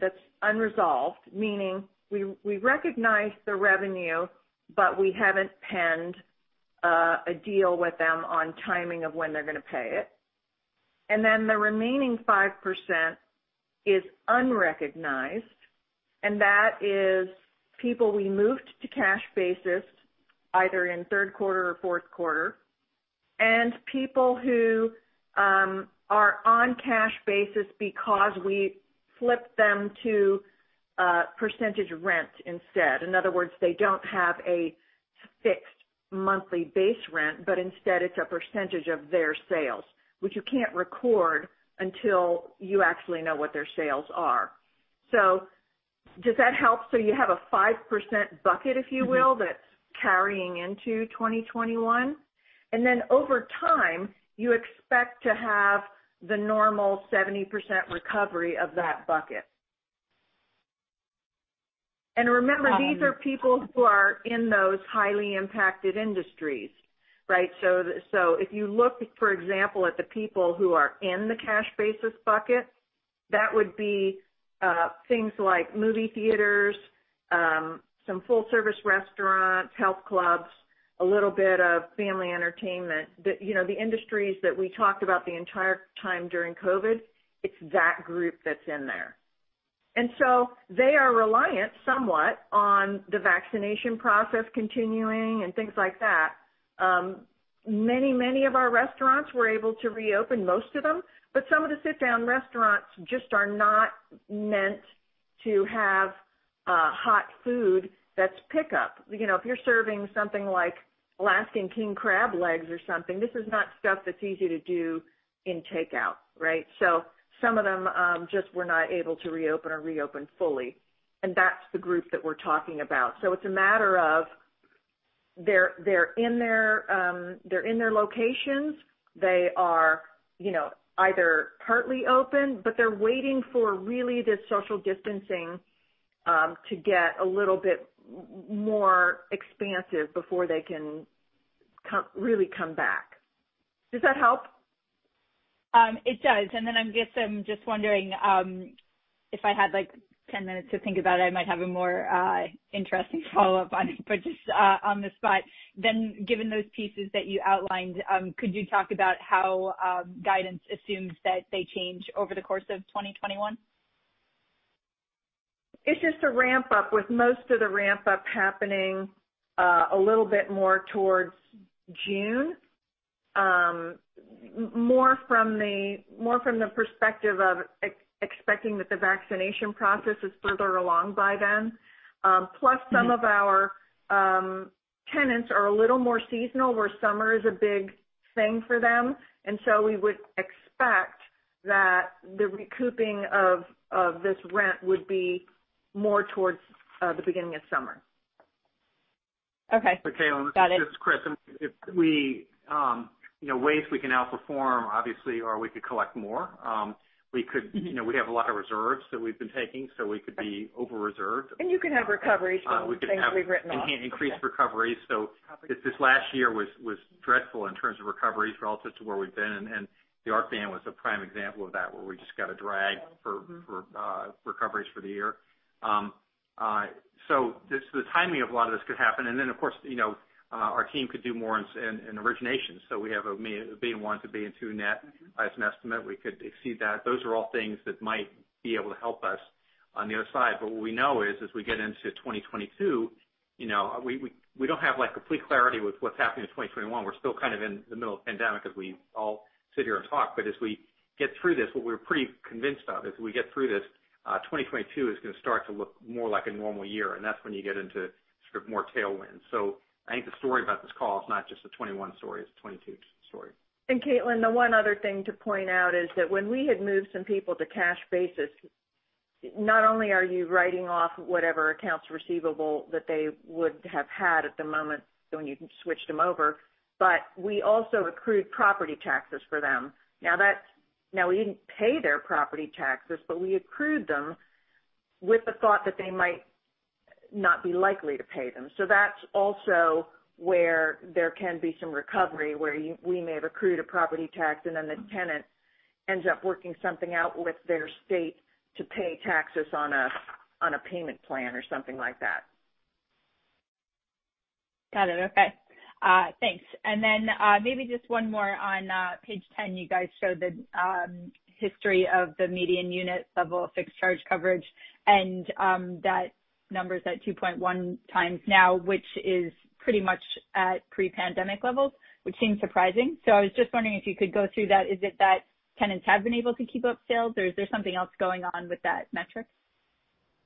that's unresolved, meaning we recognize the revenue, but we haven't penned a deal with them on timing of when they're going to pay it. The remaining 5% is unrecognized, and that is people we moved to cash basis either in third quarter or fourth quarter, and people who are on cash basis because we flipped them to percentage rent instead. In other words, they don't have a fixed monthly base rent, but instead it's a percentage of their sales, which you can't record until you actually know what their sales are. Does that help? You have a 5% bucket, if you will, that's carrying into 2021. Over time, you expect to have the normal 70% recovery of that bucket. Remember, these are people who are in those highly impacted industries, right? If you look, for example, at the people who are in the cash basis bucket, that would be things like movie theaters, some full service restaurants, health clubs, a little bit of family entertainment. The industries that we talked about the entire time during COVID, it's that group that's in there. They are reliant somewhat on the vaccination process continuing and things like that. Many of our restaurants were able to reopen most of them, but some of the sit down restaurants just are not meant to have hot food that's pickup. If you're serving something like Alaskan king crab legs or something, this is not stuff that's easy to do in takeout, right? Some of them just were not able to reopen or reopen fully. That's the group that we're talking about. It's a matter of they're in their locations. They are either partly open, but they're waiting for really the social distancing to get a little bit more expansive before they can really come back. Does that help? It does. I guess I'm just wondering if I had 10 minutes to think about it, I might have a more interesting follow-up on it. Just on the spot then, given those pieces that you outlined, could you talk about how guidance assumes that they change over the course of 2021? It's just a ramp up with most of the ramp up happening a little bit more towards June. More from the perspective of expecting that the vaccination process is further along by then. Plus some of our tenants are a little more seasonal where summer is a big thing for them, and so we would expect that the recouping of this rent would be more towards the beginning of summer. Okay. Got it. Caitlin, this is Chris. Ways we can outperform, obviously, are we could collect more. We have a lot of reserves that we've been taking, we could be over-reserved. You can have recoveries from things we've written off. We can increase recoveries. This last year was dreadful in terms of recoveries relative to where we've been, and the Art Van was a prime example of that, where we just got a drag for recoveries for the year. The timing of a lot of this could happen. Then, of course, our team could do more in origination. We have a B1 to B2 net as an estimate. We could exceed that. Those are all things that might be able to help us on the other side. What we know is, as we get into 2022, we don't have complete clarity with what's happening in 2021. We're still kind of in the middle of pandemic as we all sit here and talk. As we get through this, what we're pretty convinced of is we get through this, 2022 is going to start to look more like a normal year, and that's when you get into sort of more tailwinds. I think the story about this call is not just a 2021 story, it's a 2022 story. Caitlin, the one other thing to point out is that when we had moved some people to cash basis, not only are you writing off whatever accounts receivable that they would have had at the moment when you switched them over, but we also accrued property taxes for them. Now we didn't pay their property taxes, but we accrued them with the thought that they might not be likely to pay them. That's also where there can be some recovery, where we may have accrued a property tax and then the tenant ends up working something out with their state to pay taxes on a payment plan or something like that. Got it. Okay. Thanks. Maybe just one more on page 10. You guys showed the history of the median unit level fixed charge coverage, and that number's at 2.1x now, which is pretty much at pre-pandemic levels, which seems surprising. I was just wondering if you could go through that. Is it that tenants have been able to keep up sales, or is there something else going on with that metric?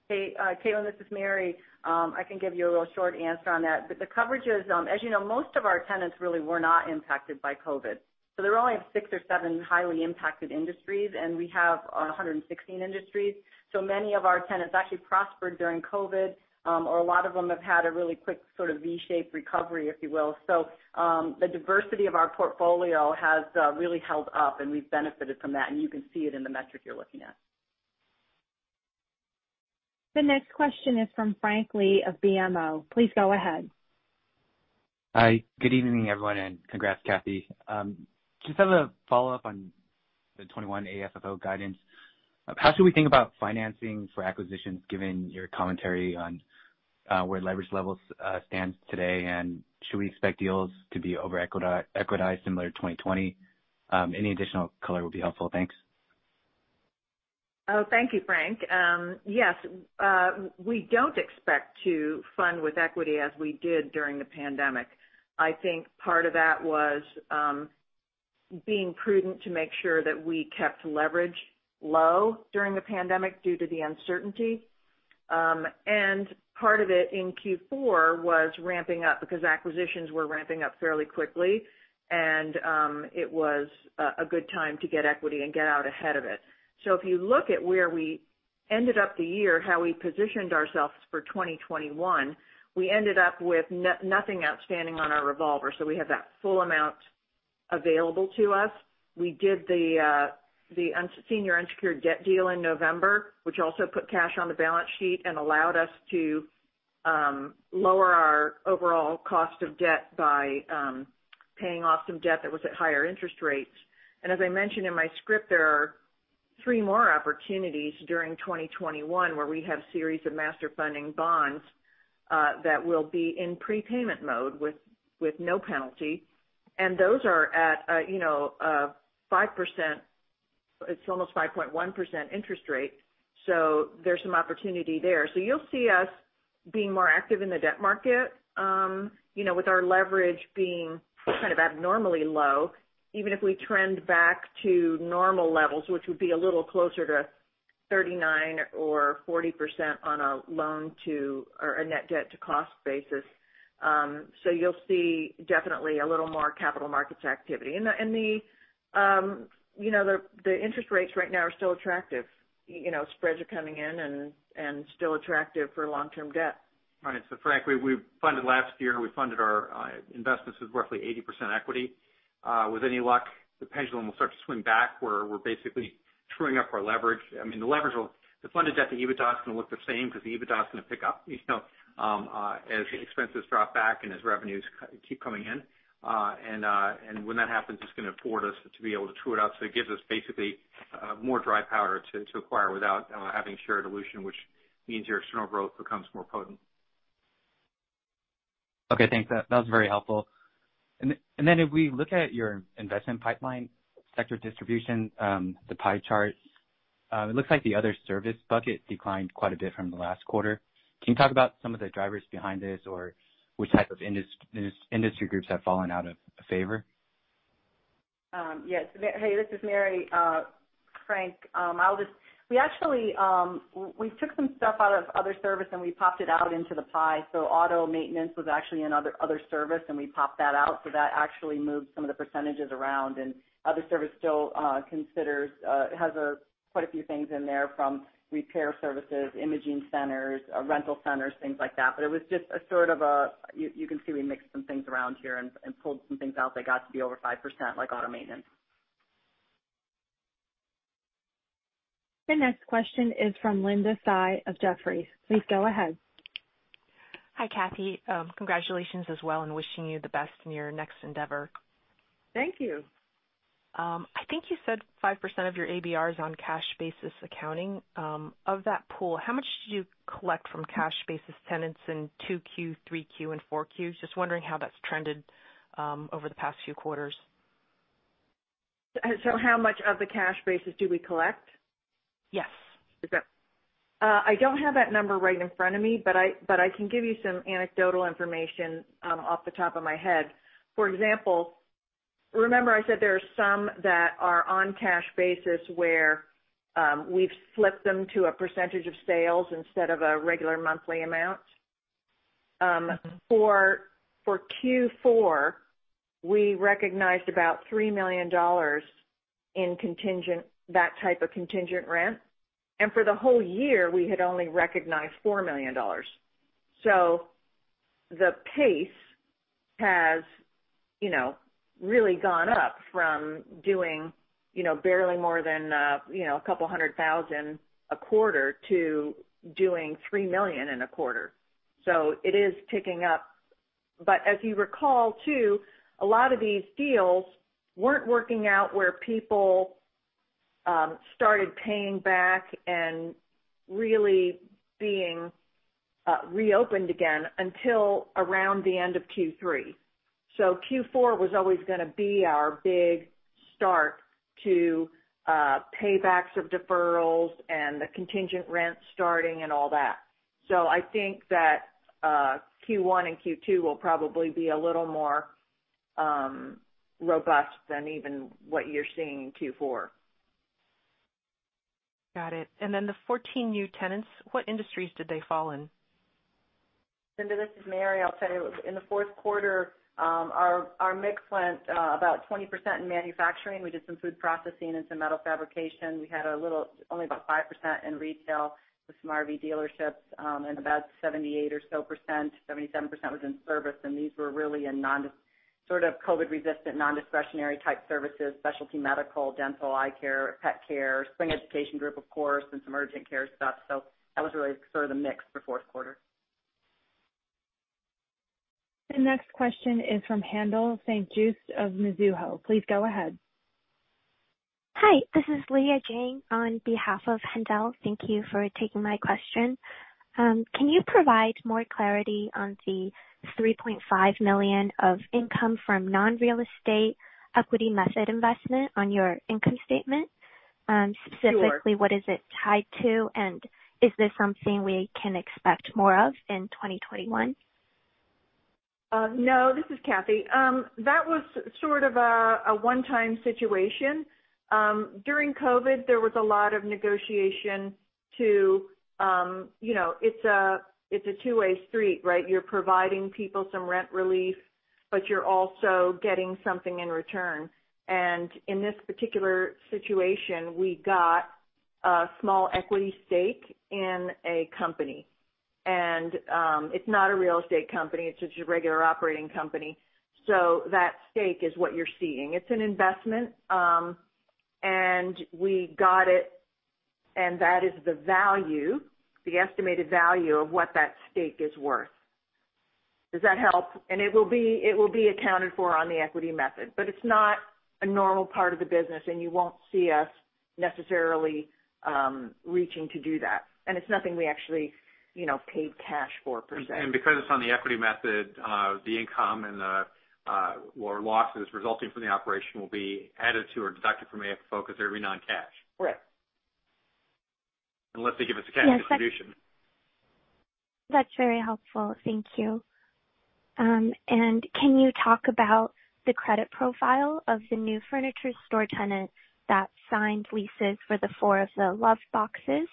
Hey, Caitlin, this is Mary. I can give you a real short answer on that. The coverage is, as you know, most of our tenants really were not impacted by COVID. There were only six or seven highly impacted industries, and we have 116 industries. Many of our tenants actually prospered during COVID, or a lot of them have had a really quick sort of V-shaped recovery, if you will. The diversity of our portfolio has really held up, and we've benefited from that, and you can see it in the metric you're looking at. The next question is from Frank Li of BMO. Please go ahead. Hi. Good evening, everyone, and congrats, Cathy. Just as a follow-up on the 2021 AFFO guidance, how should we think about financing for acquisitions given your commentary on where leverage levels stand today, and should we expect deals to be over-equitized similar to 2020? Any additional color would be helpful. Thanks. Thank you, Frank. Yes. We don't expect to fund with equity as we did during the pandemic. I think part of that was being prudent to make sure that we kept leverage low during the pandemic due to the uncertainty. Part of it in Q4 was ramping up because acquisitions were ramping up fairly quickly, and it was a good time to get equity and get out ahead of it. If you look at where we ended up the year, how we positioned ourselves for 2021, we ended up with nothing outstanding on our revolver, so we have that full amount available to us. We did the senior unsecured debt deal in November, which also put cash on the balance sheet and allowed us to lower our overall cost of debt by paying off some debt that was at higher interest rates. As I mentioned in my script, there are three more opportunities during 2021 where we have series of Master Funding bonds that will be in prepayment mode with no penalty. Those are at 5%. It's almost 5.1% interest rate. There's some opportunity there. You'll see us being more active in the debt market with our leverage being kind of abnormally low, even if we trend back to normal levels, which would be a little closer to 39 or 40% on a loan to or a net debt to cost basis. You'll see definitely a little more capital markets activity. The interest rates right now are still attractive. Spreads are coming in and still attractive for long-term debt. All right. Frank, we funded last year. We funded our investments with roughly 80% equity. With any luck, the pendulum will start to swing back where we're basically truing up our leverage. I mean, the leverage will the funded debt to EBITDA is going to look the same because the EBITDA is going to pick up as expenses drop back and as revenues keep coming in. When that happens, it's going to afford us to be able to true it out, so it gives us basically more dry powder to acquire without having share dilution, which means your external growth becomes more potent. Okay, thanks. That was very helpful. If we look at your investment pipeline sector distribution, the pie chart, it looks like the other service bucket declined quite a bit from the last quarter. Can you talk about some of the drivers behind this or which type of industry groups have fallen out of favor? Yes. Hey, this is Mary. Frank, we took some stuff out of other service, and we popped it out into the pie. Auto maintenance was actually another other service, and we popped that out, so that actually moved some of the percentages around. Other service still has quite a few things in there from repair services, imaging centers, rental centers, things like that. It was just a you can see we mixed some things around here and pulled some things out that got to be over 5%, like auto maintenance. The next question is from Linda Tsai of Jefferies. Please go ahead. Hi, Cathy. Congratulations as well and wishing you the best in your next endeavor. Thank you. I think you said 5% of your ABR is on cash basis accounting. Of that pool, how much do you collect from cash basis tenants in 2Q, 3Q, and 4Q? Just wondering how that's trended over the past few quarters. How much of the cash basis do we collect? Yes. I don't have that number right in front of me, but I can give you some anecdotal information off the top of my head. For example, remember I said there are some that are on cash basis where we've flipped them to a percentage of sales instead of a regular monthly amount. For Q4, we recognized about $3 million in that type of contingent rent. For the whole year, we had only recognized $4 million. The pace has really gone up from doing barely more than couple hundred thousand a quarter to doing $3 million in a quarter. It is ticking up. As you recall too, a lot of these deals weren't working out where people started paying back and really being reopened again until around the end of Q3. Q4 was always going to be our big start to paybacks of deferrals and the contingent rent starting and all that. I think that Q1 and Q2 will probably be a little more robust than even what you're seeing in Q4. Got it. Then the 14 new tenants, what industries did they fall in? Linda, this is Mary. I'll tell you. In the fourth quarter, our mix went about 20% in manufacturing. We did some food processing and some metal fabrication. We had only about 5% in retail with some RV dealerships, and about 78% or so, 77% was in service. These were really in sort of COVID resistant, non-discretionary type services, specialty medical, dental, eye care, pet care, Spring Education Group, of course, and some urgent care stuff. That was really sort of the mix for fourth quarter. The next question is from Haendel St. Juste of Mizuho. Please go ahead. Hi, this is Leah Jane on behalf of Haendel. Thank you for taking my question. Can you provide more clarity on the $3.5 million of income from non-real estate equity method investment on your income statement? Sure. Specifically, what is it tied to? Is this something we can expect more of in 2021? No, this is Cathy. That was sort of a one-time situation. During COVID, there was a lot of negotiation. It's a two-way street, right? You're providing people some rent relief, but you're also getting something in return. In this particular situation, we got a small equity stake in a company. It's not a real estate company. It's just a regular operating company. That stake is what you're seeing. It's an investment, and we got it, and that is the value, the estimated value of what that stake is worth. Does that help? It will be accounted for on the equity method. It's not a normal part of the business, and you won't see us necessarily reaching to do that. It's nothing we actually paid cash for, per se. Because it's on the equity method, the income or losses resulting from the operation will be added to or deducted from AFFO, because they're going to be non-cash. Unless they give us a cash distribution. That's very helpful. Thank you. Can you talk about the credit profile of the new furniture store tenants that signed leases for the four of the Love Boxes,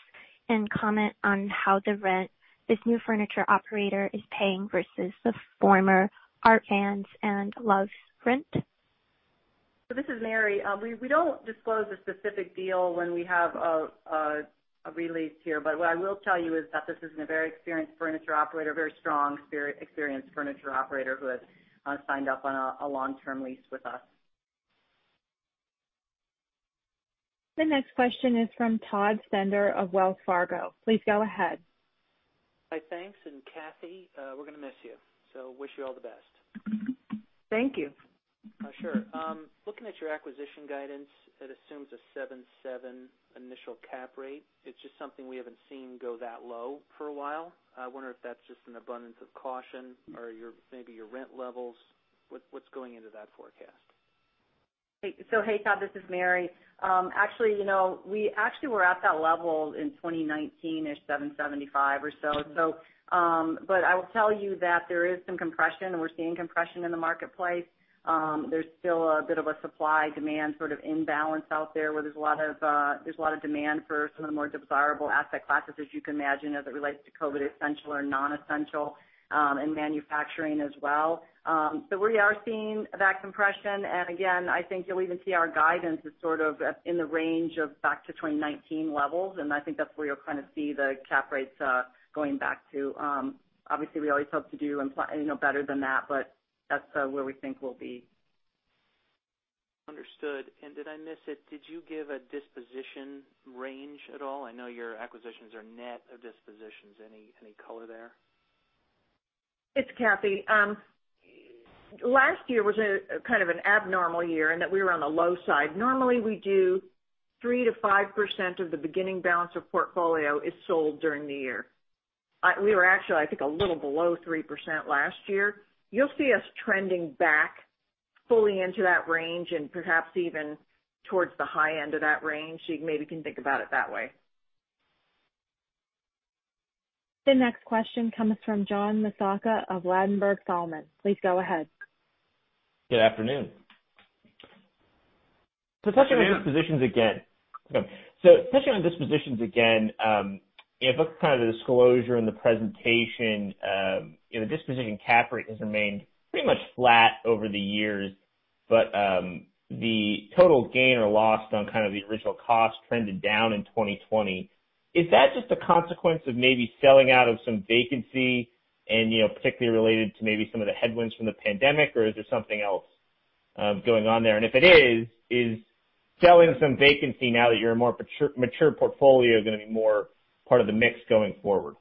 comment on how the rent this new furniture operator is paying versus the former Art Van and Loves Furniture rent? This is Mary. We don't disclose a specific deal when we have a release here. What I will tell you is that this is a very experienced furniture operator, very strong, experienced furniture operator who has signed up on a long-term lease with us. The next question is from Todd Stender of Wells Fargo. Please go ahead. Hi, thanks. Cathy, we're going to miss you, so wish you all the best. Thank you. Sure. Looking at your acquisition guidance, it assumes a seven seven initial cap rate. It's just something we haven't seen go that low for a while. I wonder if that's just an abundance of caution or maybe your rent levels. What's going into that forecast? Hey, Todd, this is Mary. We actually were at that level in 2019, it's 775 or so. I will tell you that there is some compression, and we're seeing compression in the marketplace. There's still a bit of a supply-demand sort of imbalance out there where there's a lot of demand for some of the more desirable asset classes, as you can imagine, as it relates to COVID essential or non-essential, and manufacturing as well. We are seeing that compression. Again, I think you'll even see our guidance is sort of in the range of back to 2019 levels. I think that's where you'll kind of see the cap rates going back to. Obviously, we always hope to do better than that, but that's where we think we'll be. Understood. Did I miss it? Did you give a disposition range at all? I know your acquisitions are net of dispositions. Any color there? It's Cathy. Last year was kind of an abnormal year in that we were on the low side. Normally, we do 3%-5% of the beginning balance of portfolio is sold during the year. We were actually, I think, a little below 3% last year. You'll see us trending back fully into that range and perhaps even towards the high end of that range. You maybe can think about it that way. The next question comes from John Massocca of Ladenburg Thalmann. Please go ahead. Good afternoon. Hey, John. Touching on dispositions again. If I look at kind of the disclosure in the presentation, the disposition cap rate has remained pretty much flat over the years, but the total gain or loss on kind of the original cost trended down in 2020. Is that just a consequence of maybe selling out of some vacancy and particularly related to maybe some of the headwinds from the pandemic, or is there something else going on there? If it is selling some vacancy now that you're a more mature portfolio going to be more part of the mix going forward?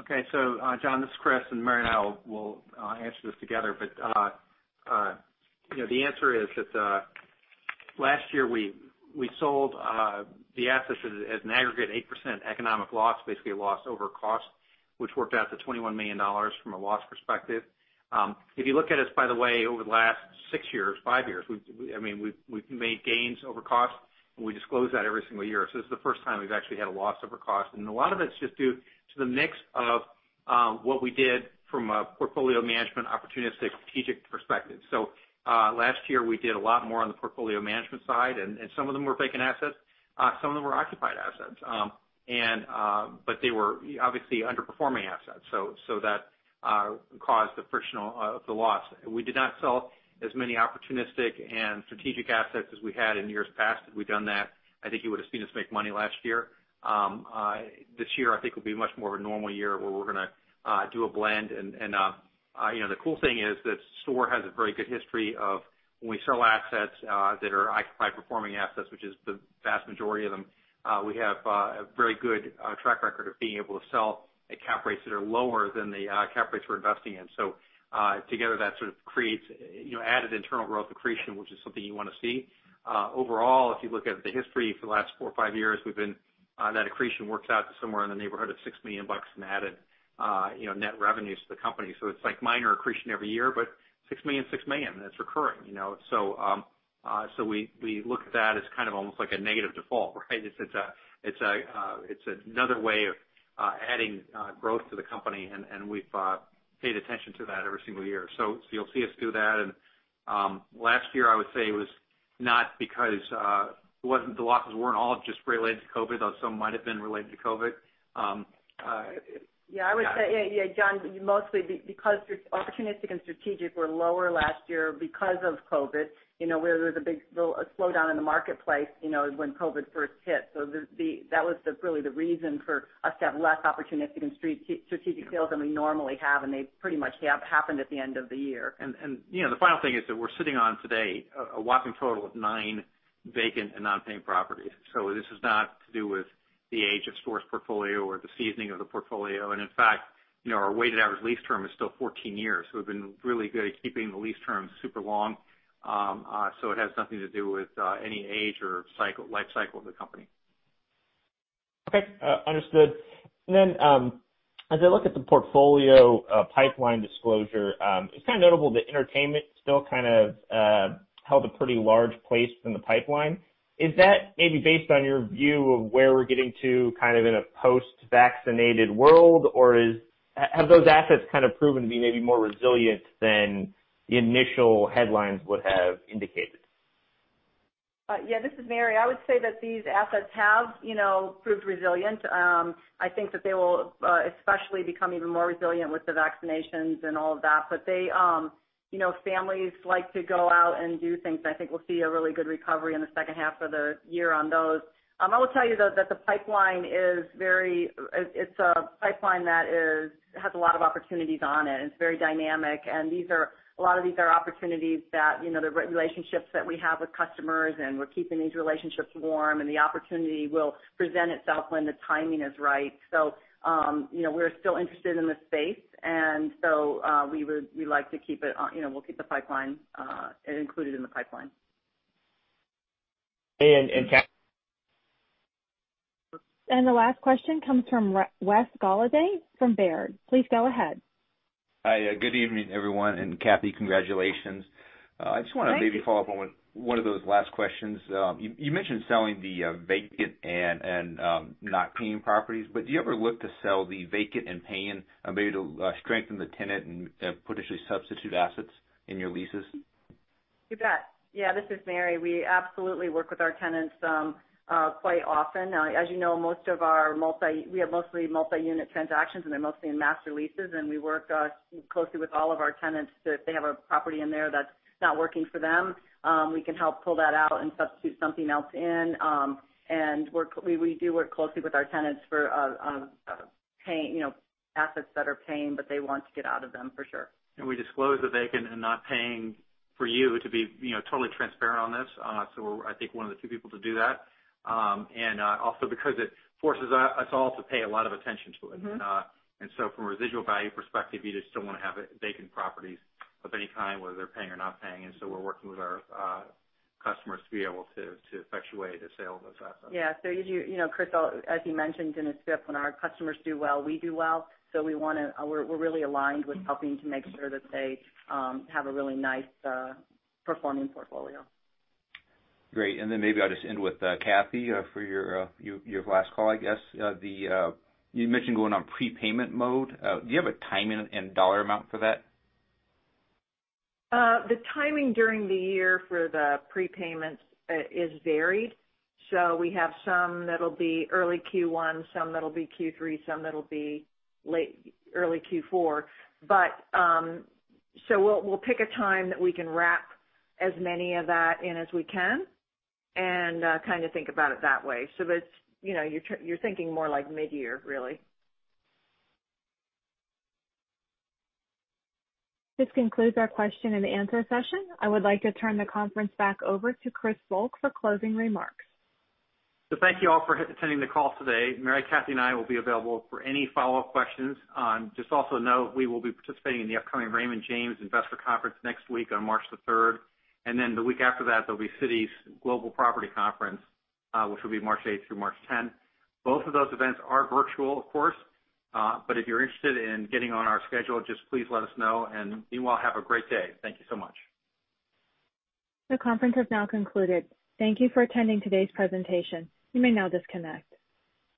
Okay. John, this is Chris, and Mary and I will answer this together. The answer is that last year we sold the assets at an aggregate 8% economic loss, basically a loss over cost. Which worked out to $21 million from a loss perspective. If you look at us, by the way, over the last six years, five years, we've made gains over cost, and we disclose that every single year. This is the first time we've actually had a loss over cost, and a lot of it's just due to the mix of what we did from a portfolio management opportunistic strategic perspective. Last year, we did a lot more on the portfolio management side, and some of them were vacant assets, some of them were occupied assets. They were obviously underperforming assets, that caused the friction loss. We did not sell as many opportunistic and strategic assets as we had in years past. Had we done that, I think you would have seen us make money last year. This year, I think, will be much more of a normal year where we're going to do a blend. The cool thing is that STORE has a very good history of when we sell assets that are high-performing assets, which is the vast majority of them, we have a very good track record of being able to sell at cap rates that are lower than the cap rates we're investing in. Together, that sort of creates added internal growth accretion, which is something you want to see. Overall, if you look at the history for the last four or five years, that accretion works out to somewhere in the neighborhood of $6 million in added net revenues to the company. It's like minor accretion every year, but $6 million is recurring. We look at that as kind of almost like a negative default, right? It's another way of adding growth to the company, and we've paid attention to that every single year. You'll see us do that. Last year, I would say, the losses weren't all just related to COVID, although some might have been related to COVID. Yeah, John, mostly because opportunistic and strategic were lower last year because of COVID. There was a big slowdown in the marketplace when COVID first hit. That was really the reason for us to have less opportunistic and strategic sales than we normally have, and they pretty much happened at the end of the year. The final thing is that we're sitting on today a whopping total of nine vacant and non-paying properties. This is not to do with the age of STORE's portfolio or the seasoning of the portfolio. In fact, our weighted average lease term is still 14 years. We've been really good at keeping the lease terms super long. It has nothing to do with any age or life cycle of the company. Okay. Understood. As I look at the portfolio pipeline disclosure, it's notable that entertainment still held a pretty large place in the pipeline. Is that maybe based on your view of where we're getting to in a post-vaccinated world, or have those assets proven to be maybe more resilient than the initial headlines would have indicated? This is Mary. I would say that these assets have proved resilient. I think that they will especially become even more resilient with the vaccinations and all of that. Families like to go out and do things. I think we'll see a really good recovery in the second half of the year on those. I will tell you, though, that the pipeline has a lot of opportunities on it, and it's very dynamic, and a lot of these are opportunities that the relationships that we have with customers, and we're keeping these relationships warm, and the opportunity will present itself when the timing is right. We're still interested in the space, and so we'll keep it included in the pipeline. And- The last question comes from Wes Golladay from Baird. Please go ahead. Hi. Good evening, everyone. Cathy, congratulations. Thank you. I just want to maybe follow up on one of those last questions. You mentioned selling the vacant and not paying properties, do you ever look to sell the vacant and paying maybe to strengthen the tenant and potentially substitute assets in your leases? You bet. Yeah, this is Mary. We absolutely work with our tenants quite often. As you know, we have mostly multi-unit transactions, and they're mostly in master leases, and we work closely with all of our tenants. If they have a property in there that's not working for them, we can help pull that out and substitute something else in. We do work closely with our tenants for assets that are paying, but they want to get out of them for sure. We disclose the vacant and not paying for you to be totally transparent on this. I think we're one of the few people to do that. Also because it forces us all to pay a lot of attention to it. From a residual value perspective, you just don't want to have vacant properties of any kind, whether they're paying or not paying. We're working with our customers to be able to effectuate a sale of those assets. Yeah. As you mentioned in the script, when our customers do well, we do well. We're really aligned with helping to make sure that they have a really nice performing portfolio. Great. Maybe I'll just end with Cathy for your last call, I guess. You mentioned going on prepayment mode. Do you have a timing and dollar amount for that? The timing during the year for the prepayments is varied. We have some that'll be early Q1, some that'll be Q3, some that'll be early Q4. We'll pick a time that we can wrap as many of that in as we can and kind of think about it that way. You're thinking more like mid-year, really. This concludes our question and answer session. I would like to turn the conference back over to Chris Volk for closing remarks. Thank you all for attending the call today. Mary, Cathy, and I will be available for any follow-up questions. Just also know we will be participating in the upcoming Raymond James Institutional Investors Conference next week on March 3rd. Then the week after that, there'll be Citi Global Property Conference, which will be March 8th through March 10th. Both of those events are virtual, of course. If you're interested in getting on our schedule, just please let us know. Meanwhile, have a great day. Thank you so much. The conference has now concluded. Thank you for attending today's presentation. You may now disconnect.